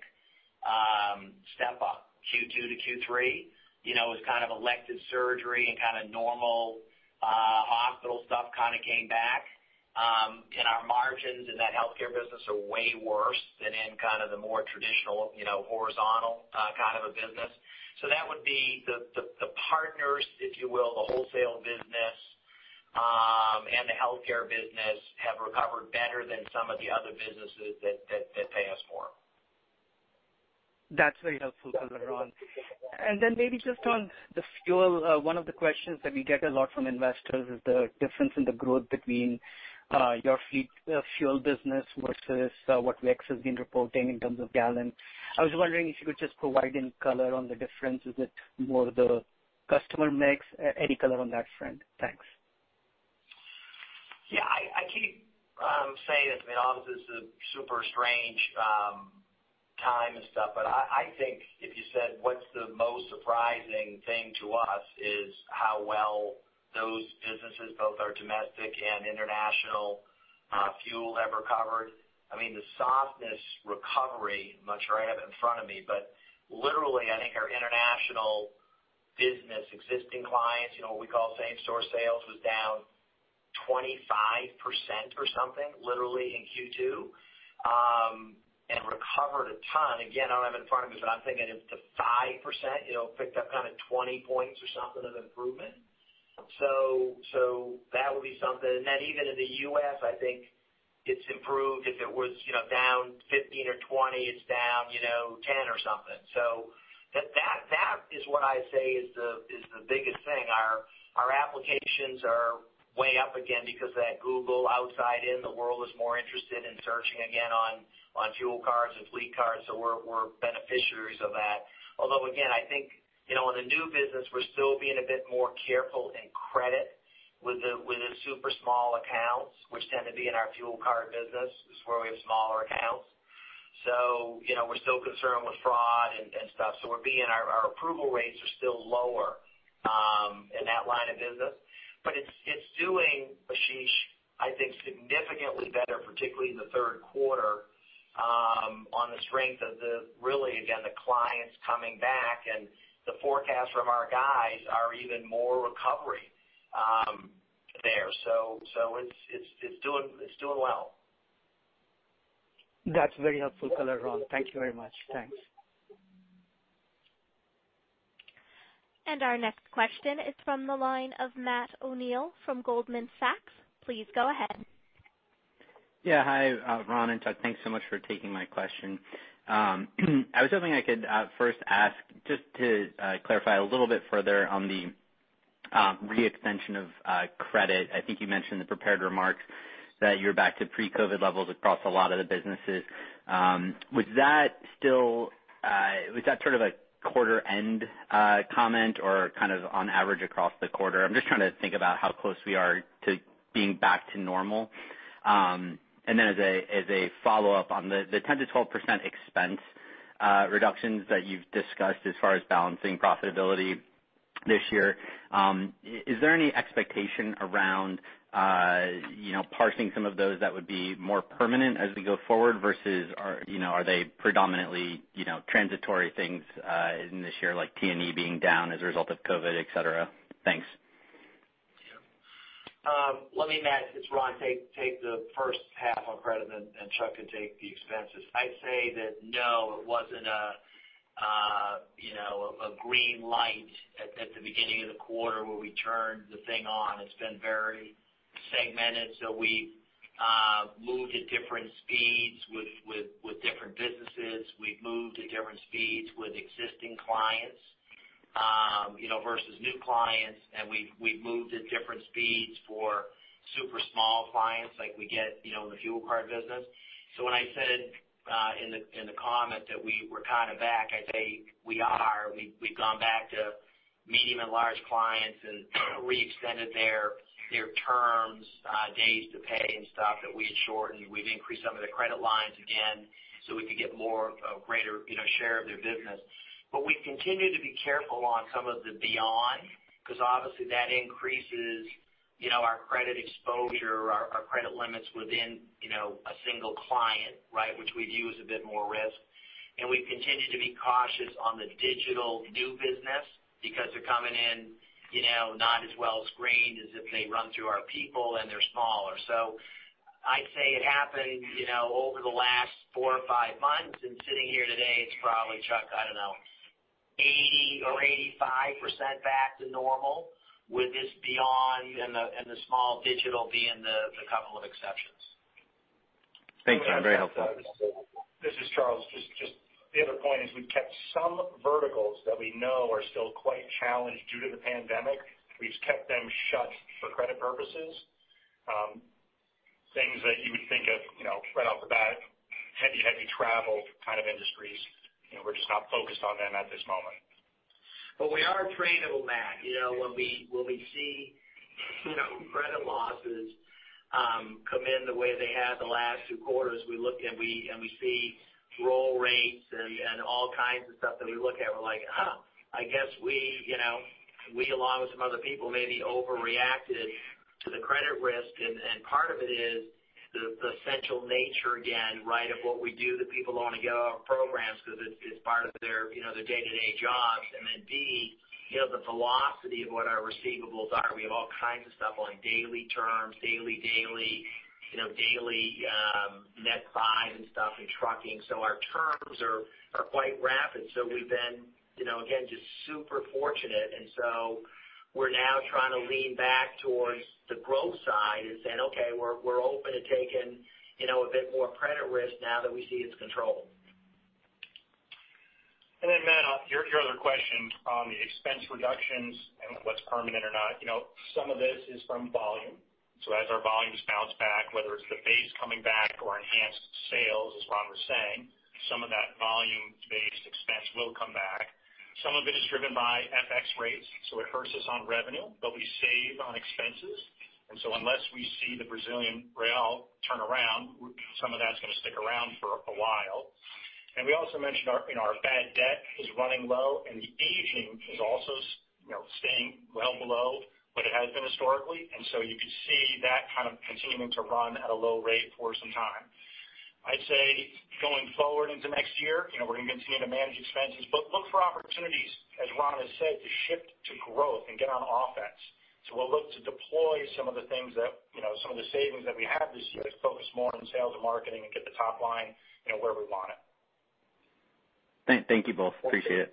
step up Q2 to Q3. It was kind of elective surgery and kind of normal hospital stuff kind of came back. Our margins in that healthcare business are way worse than in kind of the more traditional horizontal kind of a business. That would be the partners, if you will, the wholesale business and the healthcare business have recovered better than some of the other businesses that pay us more. That's very helpful, color, Ron. Maybe just on the fuel, one of the questions that we get a lot from investors is the difference in the growth between your fleet fuel business versus what WEX has been reporting in terms of gallon. I was wondering if you could just provide any color on the difference. Is it more the customer mix? Any color on that front. Thanks. Yeah. I keep saying this. I mean, obviously, this is a super strange time and stuff, but I think if you said what's the most surprising thing to us is how well those businesses, both our domestic and international fuel have recovered. I mean, the softness recovery, I'm not sure I have it in front of me, but literally, I think our international business existing clients, what we call same-store sales, was down 25% or something, literally in Q2, and recovered a ton. Again, I don't have it in front of me, but I'm thinking it's to 5%, picked up kind of 20 points or something of improvement. That would be something. Then even in the U.S., I think it's improved. If it was down 15% or 20%, it's down 10% or something. That is what I say is the biggest thing. Our applications are way up again because that Google outside in the world is more interested in searching again on fuel cards and fleet cards. We're beneficiaries of that. Although again, I think, in the new business, we're still being a bit more careful in credit with the super small accounts, which tend to be in our fuel card business, is where we have smaller accounts. We're still concerned with fraud and stuff, so our approval rates are still lower in that line of business. It's doing, Ashish, I think, significantly better, particularly in the third quarter, on the strength of the, really again, the clients coming back, and the forecast from our guys are even more recovery there. It's doing well. That's very helpful color, Ron. Thank you very much. Thanks. Our next question is from the line of Matt O'Neill from Goldman Sachs. Please go ahead. Yeah. Hi, Ron and Chuck. Thanks so much for taking my question. I was hoping I could first ask, just to clarify a little bit further on the re-extension of credit. I think you mentioned the prepared remarks that you're back to pre-COVID levels across a lot of the businesses. Was that sort of a quarter end comment or kind of on average across the quarter? I'm just trying to think about how close we are to being back to normal. As a follow-up on the 10%-12% expense reductions that you've discussed as far as balancing profitability this year. Is there any expectation around parsing some of those that would be more permanent as we go forward versus are they predominantly transitory things in this year, like T&E being down as a result of COVID, et cetera? Thanks. Let me, Matt, it's Ron, take the first half on credit and then Chuck can take the expenses. I'd say that no, it wasn't a green light at the beginning of the quarter where we turned the thing on. It's been very segmented. We moved at different speeds with different businesses. We've moved at different speeds with existing clients versus new clients. We've moved at different speeds for super small clients like we get in the fuel card business. When I said in the comment that we were kind of back, I'd say we are. We've gone back to medium and large clients and reextended their terms, days to pay and stuff that we had shortened. We've increased some of the credit lines again so we could get more of a greater share of their business. We continue to be careful on some of the beyond, because obviously that increases our credit exposure, our credit limits within a single client which we view as a bit more risk. We continue to be cautious on the digital new business because they're coming in not as well screened as if they run through our people and they're smaller. I'd say it happened over the last four or five months, and sitting here today, it's probably, Chuck, I don't know, 80% or 85% back to normal with this beyond and the small digital being the couple of exceptions. Thanks, Ron. Very helpful. This is Charles. Just the other point is we've kept some verticals that we know are still quite challenged due to the pandemic. We've kept them shut for credit purposes, things that you would think of right off the bat, heavy travel kind of industries. We're just not focused on them at this moment. We are traceable, Matt. When we see credit losses come in the way they have the last two quarters, we look and we see roll rates and all kinds of stuff that we look at, we're like, "Huh, I guess we along with some other people maybe overreacted to the credit risk." Part of it is the essential nature again, of what we do that people want to get on our programs because it's part of their day-to-day jobs. Then B, the velocity of what our receivables are. We have all kinds of stuff on daily terms, daily net buys and stuff and trucking. Our terms are quite rapid. We've been just super fortunate. We're now trying to lean back towards the growth side and saying, "Okay, we're open to taking a bit more credit risk now that we see it's controlled. Then Matt, your other question on the expense reductions and what's permanent or not. Some of this is from volume. As our volumes bounce back, whether it's the base coming back or enhanced sales, as Ron was saying, some of that volume-based expense will come back. Some of it is driven by FX rates, so it hurts us on revenue, but we save on expenses. Unless we see the Brazilian real turn around, some of that's going to stick around for a while. We also mentioned our bad debt is running low and the aging is also staying well below what it has been historically. You could see that kind of continuing to run at a low rate for some time. I'd say going forward into next year, we're going to continue to manage expenses, but look for opportunities, as Ron has said, to shift to growth and get on offense. We'll look to deploy some of the savings that we have this year to focus more on sales and marketing and get the top line where we want it. Thank you both. Appreciate it.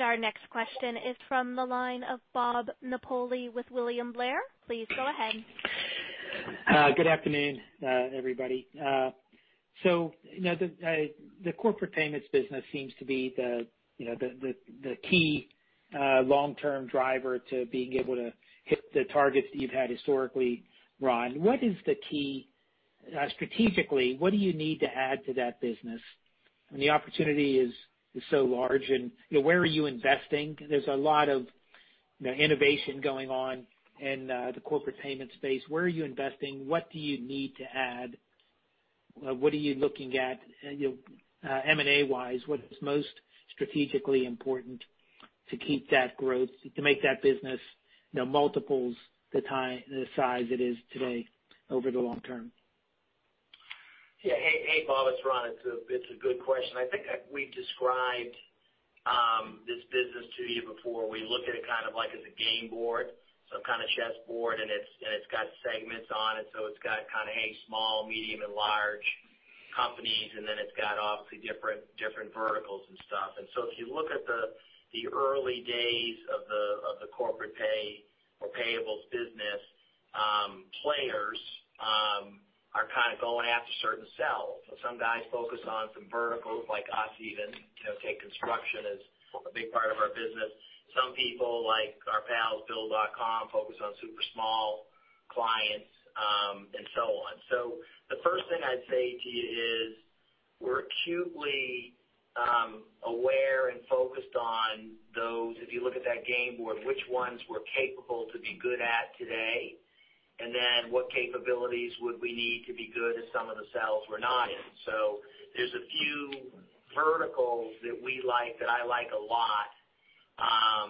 Our next question is from the line of Bob Napoli with William Blair. Please go ahead. Good afternoon, everybody. The Corporate Payments business seems to be the key long-term driver to being able to hit the targets that you've had historically, Ron. Strategically, what do you need to add to that business? I mean, the opportunity is so large, and where are you investing? There's a lot of innovation going on in the corporate payment space. Where are you investing? What do you need to add? What are you looking at M&A-wise? What is most strategically important to keep that growth, to make that business multiples the size it is today over the long term? Yeah. Hey, Bob, it's Ron. It's a good question. I think we described this business to you before. We look at it kind of like as a game board, some kind of chessboard, and it's got segments on it. It's got kind of small, medium, and large companies, and then it's got obviously different verticals and stuff. If you look at the early days of the Corporate Payments or payables business players are kind of going after certain cells. Some guys focus on some verticals like us even. Take construction as a big part of our business. Some people, like our pals Bill.com, focus on super small clients, and so on. The first thing I'd say to you is we're acutely aware and focused on those. If you look at that game board, which ones we're capable to be good at today, and then what capabilities would we need to be good if some of the cells we're not in. There's a few verticals that we like, that I like a lot,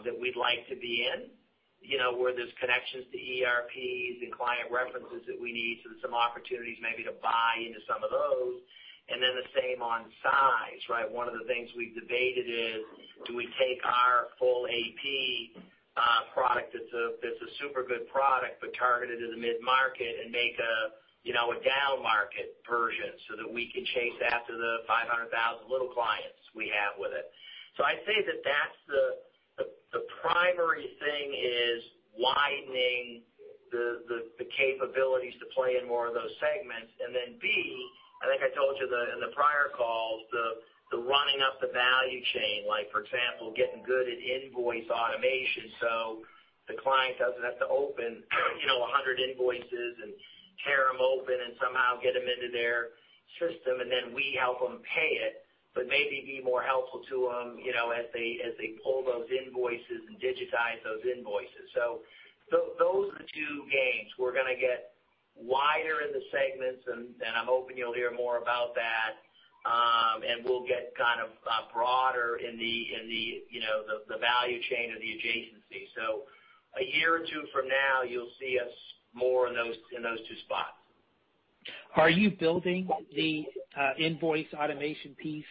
that we'd like to be in where there's connections to ERPs and client references that we need. Some opportunities maybe to buy into some of those, and then the same on size, right? One of the things we've debated is, do we take our Full AP product that's a super good product, but targeted to the mid-market and make a down-market version so that we can chase after the 500,000 little clients we have with it. I'd say that that's the primary thing is widening the capabilities to play in more of those segments. Then B, I think I told you in the prior calls, the running up the value chain, like for example, getting good at invoice automation so the client doesn't have to open 100 invoices and tear them open and somehow get them into their system, and then we help them pay it, but maybe be more helpful to them as they pull those invoices and digitize those invoices. Those are the two games. We're going to get wider in the segments, and I'm hoping you'll hear more about that. We'll get kind of broader in the value chain or the adjacency. A year or two from now, you'll see us more in those two spots. Are you building the invoice automation piece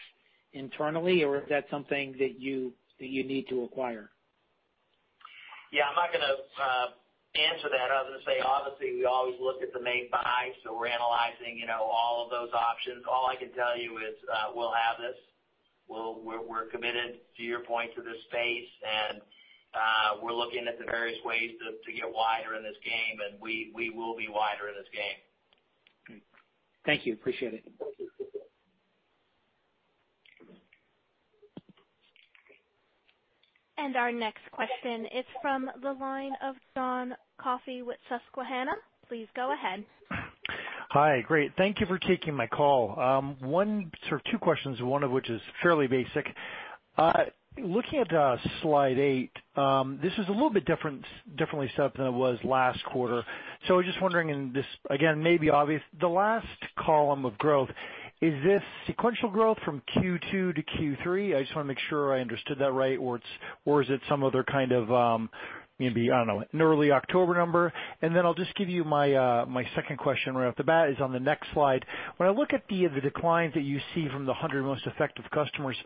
internally, or is that something that you need to acquire? Yeah, I'm not going to answer that other than say, obviously, we always look at the make-buy. We're analyzing all of those options. All I can tell you is we'll have this. We're committed, to your point, to this space, and we're looking at the various ways to get wider in this game, and we will be wider in this game. Thank you. Appreciate it. Our next question is from the line of John Coffey with Susquehanna. Please go ahead. Hi. Great. Thank you for taking my call. Sort of two questions, one of which is fairly basic. Looking at slide eight, this is a little bit differently set than it was last quarter. I was just wondering, and this again may be obvious. The last column of growth, is this sequential growth from Q2 to Q3? I just want to make sure I understood that right, or is it some other kind of maybe, I don't know, an early October number? I'll just give you my second question right off the bat is on the next slide. When I look at the declines that you see from the 100 most effective customers,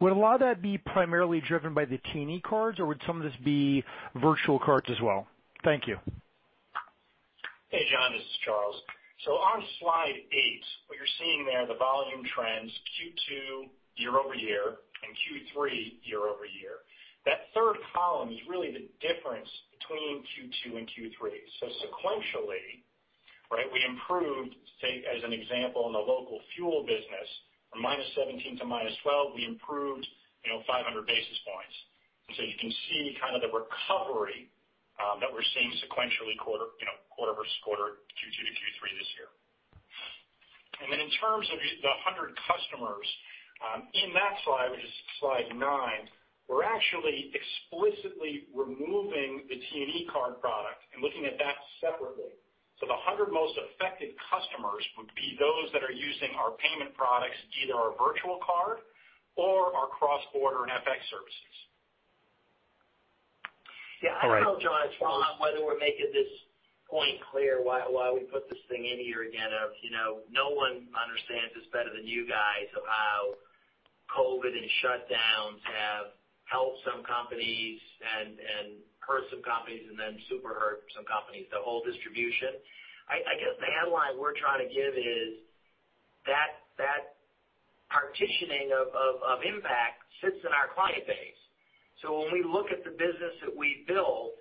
would a lot of that be primarily driven by the T&E cards, or would some of this be virtual cards as well? Thank you. Hey, John, this is Charles. On slide eight, what you're seeing there are the volume trends, Q2 year-over-year and Q3 year-over-year. That third column is really the difference between Q2 and Q3. Sequentially, we improved, take as an example in the local fuel business from -17% to -12%, we improved 500 basis points. You can see the recovery that we're seeing sequentially quarter versus quarter, Q2 to Q3 this year. In terms of the 100 customers in that slide, which is slide nine, we're actually explicitly removing the T&E card product and looking at that separately. The 100 most affected customers would be those that are using our payment products, either our virtual card or our cross-border and FX services. Yeah. I don't know, John, it's Ron, whether we're making this point clear why we put this thing in here again of no one understands this better than you guys of how COVID and shutdowns have helped some companies and hurt some companies, and then super hurt some companies, the whole distribution. I guess the headline we're trying to give is that that partitioning of impact sits in our client base. When we look at the business that we build,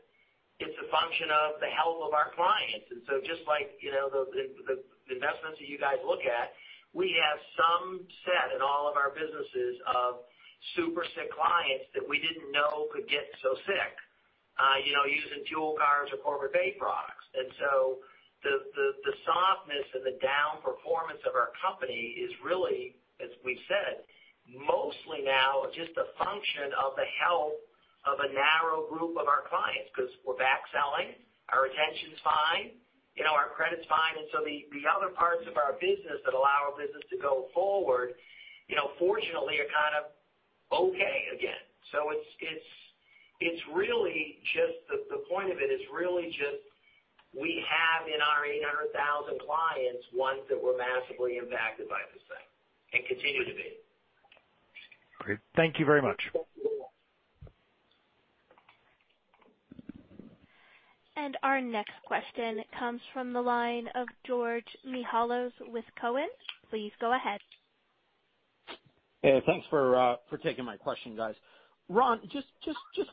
it's a function of the health of our clients. Just like the investments that you guys look at, we have some set in all of our businesses of super sick clients that we didn't know could get so sick using fuel cards or Corporate Payments products. The softness and the down performance of our company is really, as we've said, mostly now just a function of the health of a narrow group of our clients because we're back selling, our retention's fine, our credit's fine. The other parts of our business that allow our business to go forward fortunately are kind of okay again. The point of it is really just we have in our 800,000 clients, ones that were massively impacted by this thing and continue to be. Great. Thank you very much. Our next question comes from the line of George Mihalos with Cowen. Please go ahead. Hey, thanks for taking my question, guys. Ron, just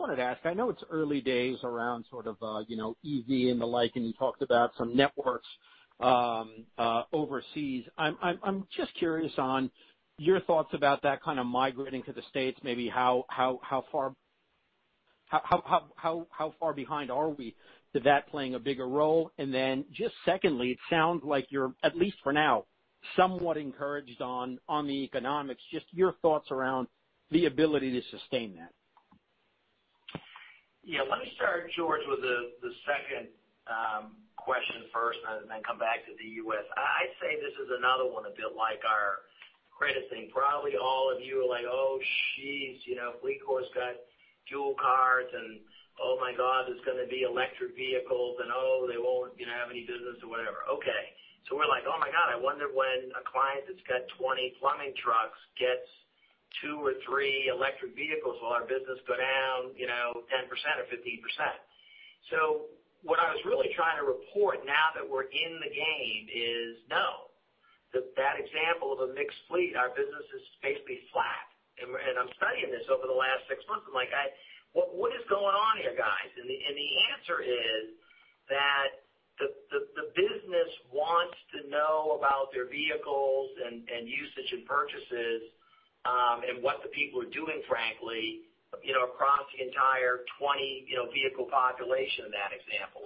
wanted to ask, I know it's early days around sort of EV and the like, and you talked about some networks overseas. I'm just curious on your thoughts about that kind of migrating to the States, maybe how far behind are we to that playing a bigger role? Then just secondly, it sounds like you're, at least for now, somewhat encouraged on the economics, just your thoughts around the ability to sustain that. Yeah. Let me start, George, with the second question first and then come back to the U.S. I say this is another one a bit like our credit thing. Probably all of you are like, "Oh, geez, FLEETCOR has got fuel cards," and, "Oh my God, there's going to be electric vehicles," and, "Oh, they won't have any business or whatever." Okay. We're like, Oh my God, I wonder when a client that's got 20 plumbing trucks gets two or three electric vehicles, will our business go down 10% or 15%? Okay. What I was really trying to report now that we're in the game is no, that example of a mixed fleet, our business is basically flat. I'm studying this over the last six months. I'm like, what is going on here, guys? The answer is that the business wants to know about their vehicles and usage and purchases, and what the people are doing, frankly across the entire 20 vehicle population of that example.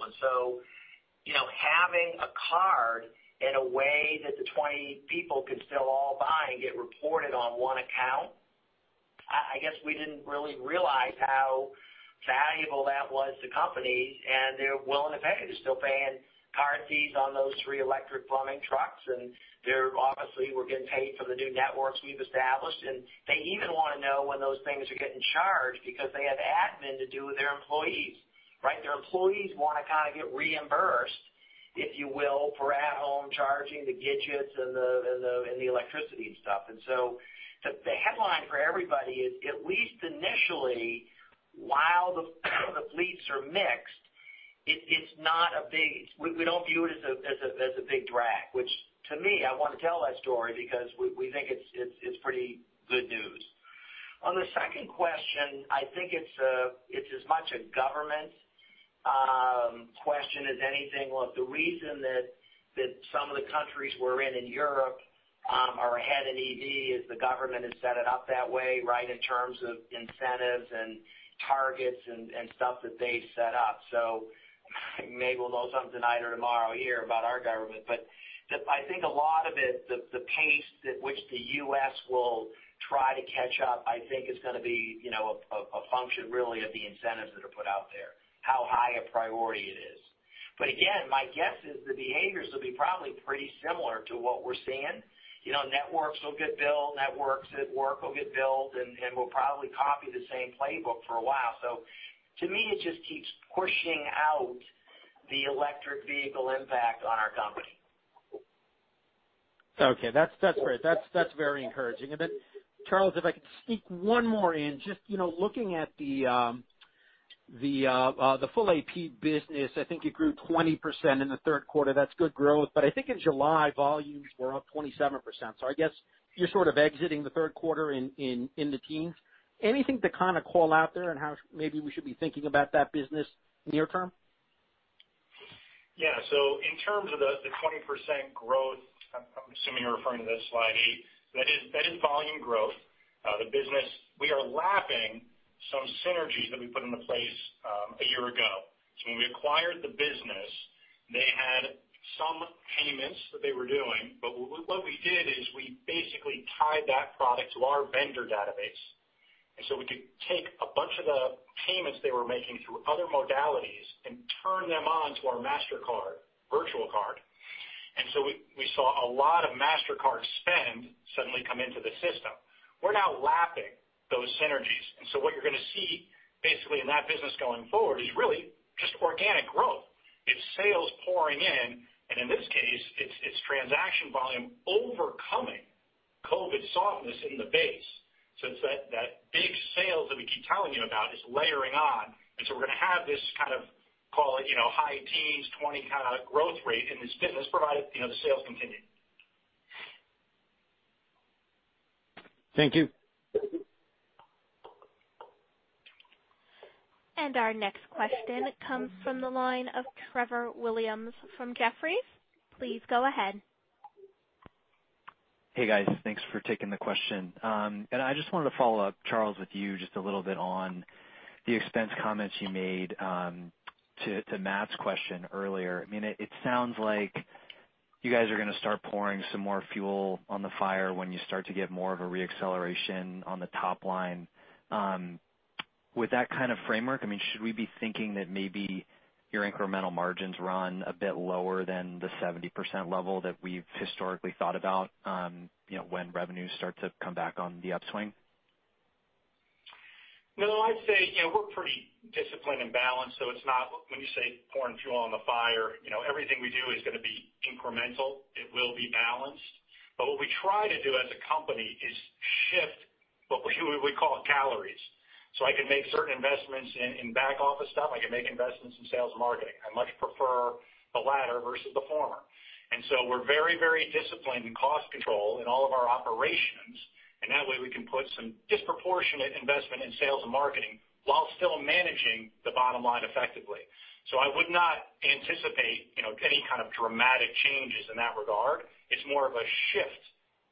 Having a card in a way that the 20 people can still all buy and get reported on one account, I guess we didn't really realize how valuable that was to companies, and they're well and effective. They're still paying card fees on those three electric plumbing trucks, and they're obviously we're getting paid from the new networks we've established, and they even want to know when those things are getting charged because they have admin to do with their employees, right? Their employees want to kind of get reimbursed, if you will, for at-home charging the gadgets and the electricity and stuff. The headline for everybody is, at least initially, while the fleets are mixed, we don't view it as a big drag, which to me, I want to tell that story because we think it's pretty good news. On the second question, I think it's as much a government question as anything. Look, the reason that some of the countries we're in in Europe are ahead in EV is the government has set it up that way, right, in terms of incentives and targets and stuff that they set up. Maybe we'll know something tonight or tomorrow here about our government. I think a lot of it, the pace at which the U.S. will try to catch up, I think is going to be a function really of the incentives that are put out there. How high a priority it is. Again, my guess is the behaviors will be probably pretty similar to what we're seeing. Networks will get built, networks that work will get built, and we'll probably copy the same playbook for a while. To me, it just keeps pushing out the electric vehicle impact on our company. Okay. That's great. That's very encouraging. Charles, if I could sneak one more in. Just looking at the Full AP business, I think it grew 20% in the third quarter. That's good growth. I think in July, volumes were up 27%. I guess you're sort of exiting the third quarter in the teens. Anything to call out there on how maybe we should be thinking about that business near term? Yeah. In terms of the 20% growth, I'm assuming you're referring to slide eight. That is volume growth. We are lapping some synergies that we put into place a year ago. When we acquired the business, they had some payments that they were doing. What we did is we basically tied that product to our vendor database. We could take a bunch of the payments they were making through other modalities and turn them on to our Mastercard virtual card. We saw a lot of Mastercard spend suddenly come into the system. We're now lapping those synergies. What you're going to see basically in that business going forward is really just organic growth. It's sales pouring in, and in this case, it's transaction volume overcoming COVID softness in the base. It's that big sales that we keep telling you about is layering on. We're going to have this kind of, call it high teens, 20 kind of growth rate in this business, provided the sales continue. Thank you. Our next question comes from the line of Trevor Williams from Jefferies. Please go ahead. Hey, guys. Thanks for taking the question. I just wanted to follow up, Charles, with you just a little bit on the expense comments you made to Matt's question earlier. It sounds like you guys are going to start pouring some more fuel on the fire when you start to get more of a re-acceleration on the top line. With that kind of framework, should we be thinking that maybe your incremental margins, Ron, a bit lower than the 70% level that we've historically thought about when revenues start to come back on the upswing? I'd say we're pretty disciplined and balanced, when you say pouring fuel on the fire, everything we do is going to be incremental. It will be balanced. What we try to do as a company is shift what we call calories. I can make certain investments in back-office stuff. I can make investments in sales and marketing. I much prefer the latter versus the former. We're very disciplined in cost control in all of our operations. That way we can put some disproportionate investment in sales and marketing while still managing the bottom line effectively. I would not anticipate any kind of dramatic changes in that regard. It's more of a shift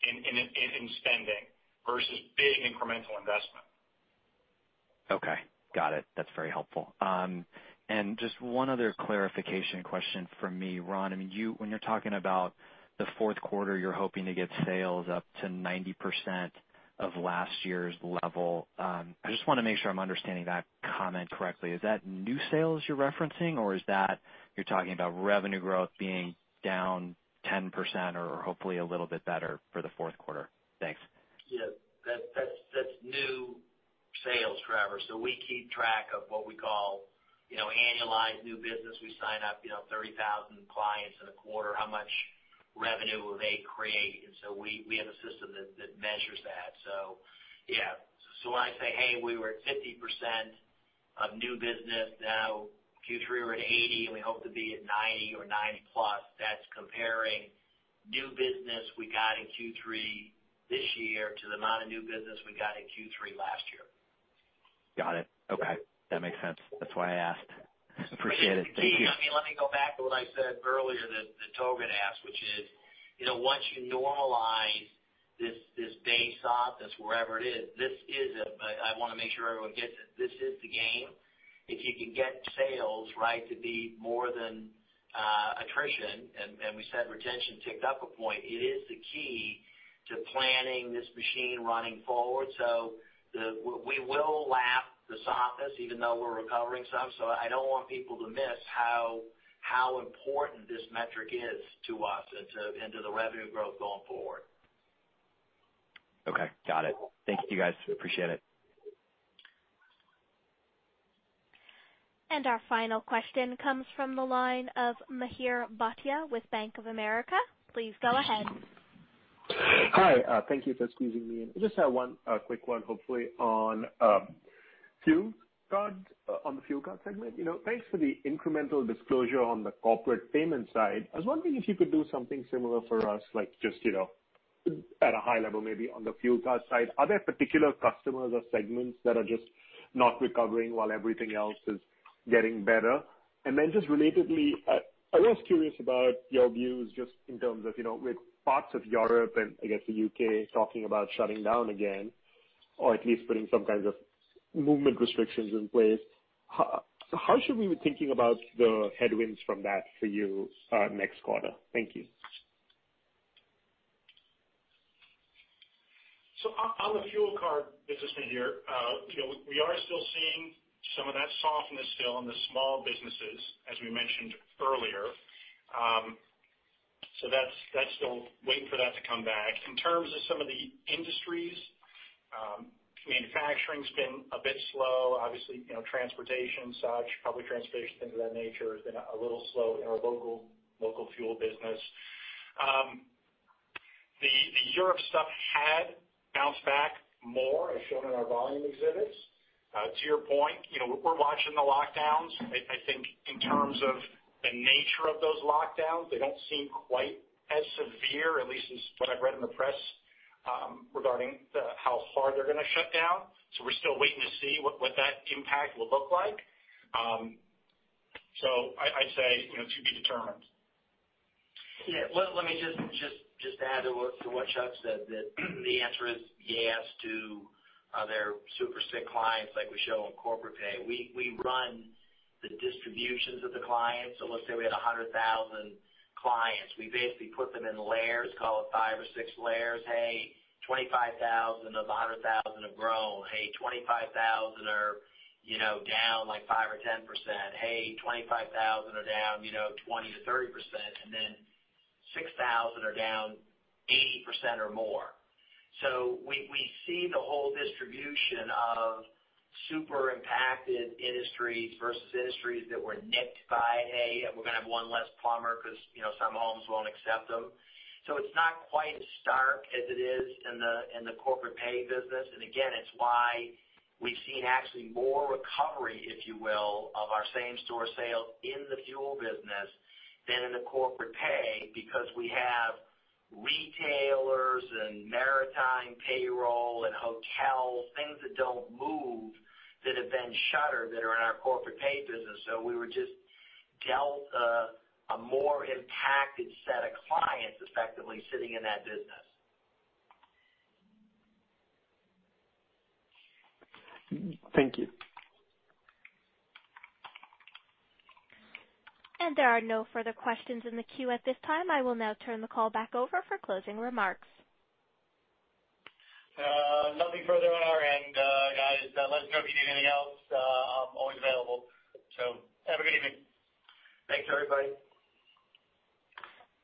in spending versus big incremental investment. Okay. Got it. That's very helpful. Just one other clarification question from me. Ron, when you're talking about the fourth quarter, you're hoping to get sales up to 90% of last year's level. I just want to make sure I'm understanding that comment correctly. Is that new sales you're referencing, or is that you're talking about revenue growth being down 10% or hopefully a little bit better for the fourth quarter? Thanks. That's new sales, Trevor. We keep track of what we call annualized new business. We sign up 30,000 clients in a quarter, how much revenue will they create? We have a system that measures that. When I say, "Hey, we were at 50% of new business, now Q3 we're at 80%, and we hope to be at 90% or 90%+," that's comparing new business we got in Q3 this year to the amount of new business we got in Q3 last year. Got it. Okay. That makes sense. That is why I asked. Appreciate it. Thank you. Let me go back to what I said earlier that Togut asked, which is, once you normalize this base [org], this wherever it is, I want to make sure everyone gets it. This is the game. If you can get sales to be more than attrition, and we said retention ticked up a point, it is the key to planning this machine running forward. We will lap the softness even though we're recovering some. I don't want people to miss how important this metric is to us and to the revenue growth going forward. Okay. Got it. Thank you, guys. Appreciate it. Our final question comes from the line of Mihir Bhatia with Bank of America. Please go ahead. Hi. Thank you for squeezing me in. I just have one quick one, hopefully, on the fuel card segment. Thanks for the incremental disclosure on the Corporate Payments side. I was wondering if you could do something similar for us, just at a high level maybe on the fuel card side. Are there particular customers or segments that are just not recovering while everything else is getting better? Just relatedly, I was curious about your views just in terms of with parts of Europe and I guess the U.K. talking about shutting down again, or at least putting some kinds of movement restrictions in place. How should we be thinking about the headwinds from that for you next quarter? Thank you. On the fuel card business, Mihir, we are still seeing some of that softness still in the small businesses, as we mentioned earlier. Still waiting for that to come back. In terms of some of the industries, manufacturing's been a bit slow. Obviously, transportation, such, public transportation, things of that nature, has been a little slow in our local fuel business. The Europe stuff had bounced back more, as shown in our volume exhibits. To your point, we're watching the lockdowns. I think in terms of the nature of those lockdowns, they don't seem quite as severe, at least as what I've read in the press, regarding how hard they're going to shut down. We're still waiting to see what that impact will look like. I'd say, to be determined. Yeah. Let me just add to what Chuck said, that the answer is yes to their super sick clients, like we show in Corporate Payments. We run the distributions of the clients. Let's say we had 100,000 clients. We basically put them in layers, call it five or six layers. Hey, 25,000 of the 100,000 have grown. Hey, 25,000 are down like 5% or 10%. Hey, 25,000 are down 20% to 30%. 6,000 are down 80% or more. We see the whole distribution of super impacted industries versus industries that were nicked by, "Hey, we're going to have one less plumber because some homes won't accept them." It's not quite as stark as it is in the Corporate Payments business. Again, it's why we've seen actually more recovery, if you will, of our same-store sales in the fuel business than in the Corporate Payments because we have retailers and maritime payroll and hotels, things that don't move that have been shuttered that are in our Corporate Payments business. We were just dealt a more impacted set of clients effectively sitting in that business. Thank you. There are no further questions in the queue at this time. I will now turn the call back over for closing remarks. Nothing further on our end, guys. Let us know if you need anything else. I'm always available. Have a good evening. Thanks, everybody.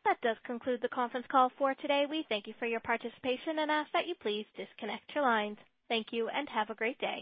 That does conclude the conference call for today. We thank you for your participation and ask that you please disconnect your lines. Thank you and have a great day.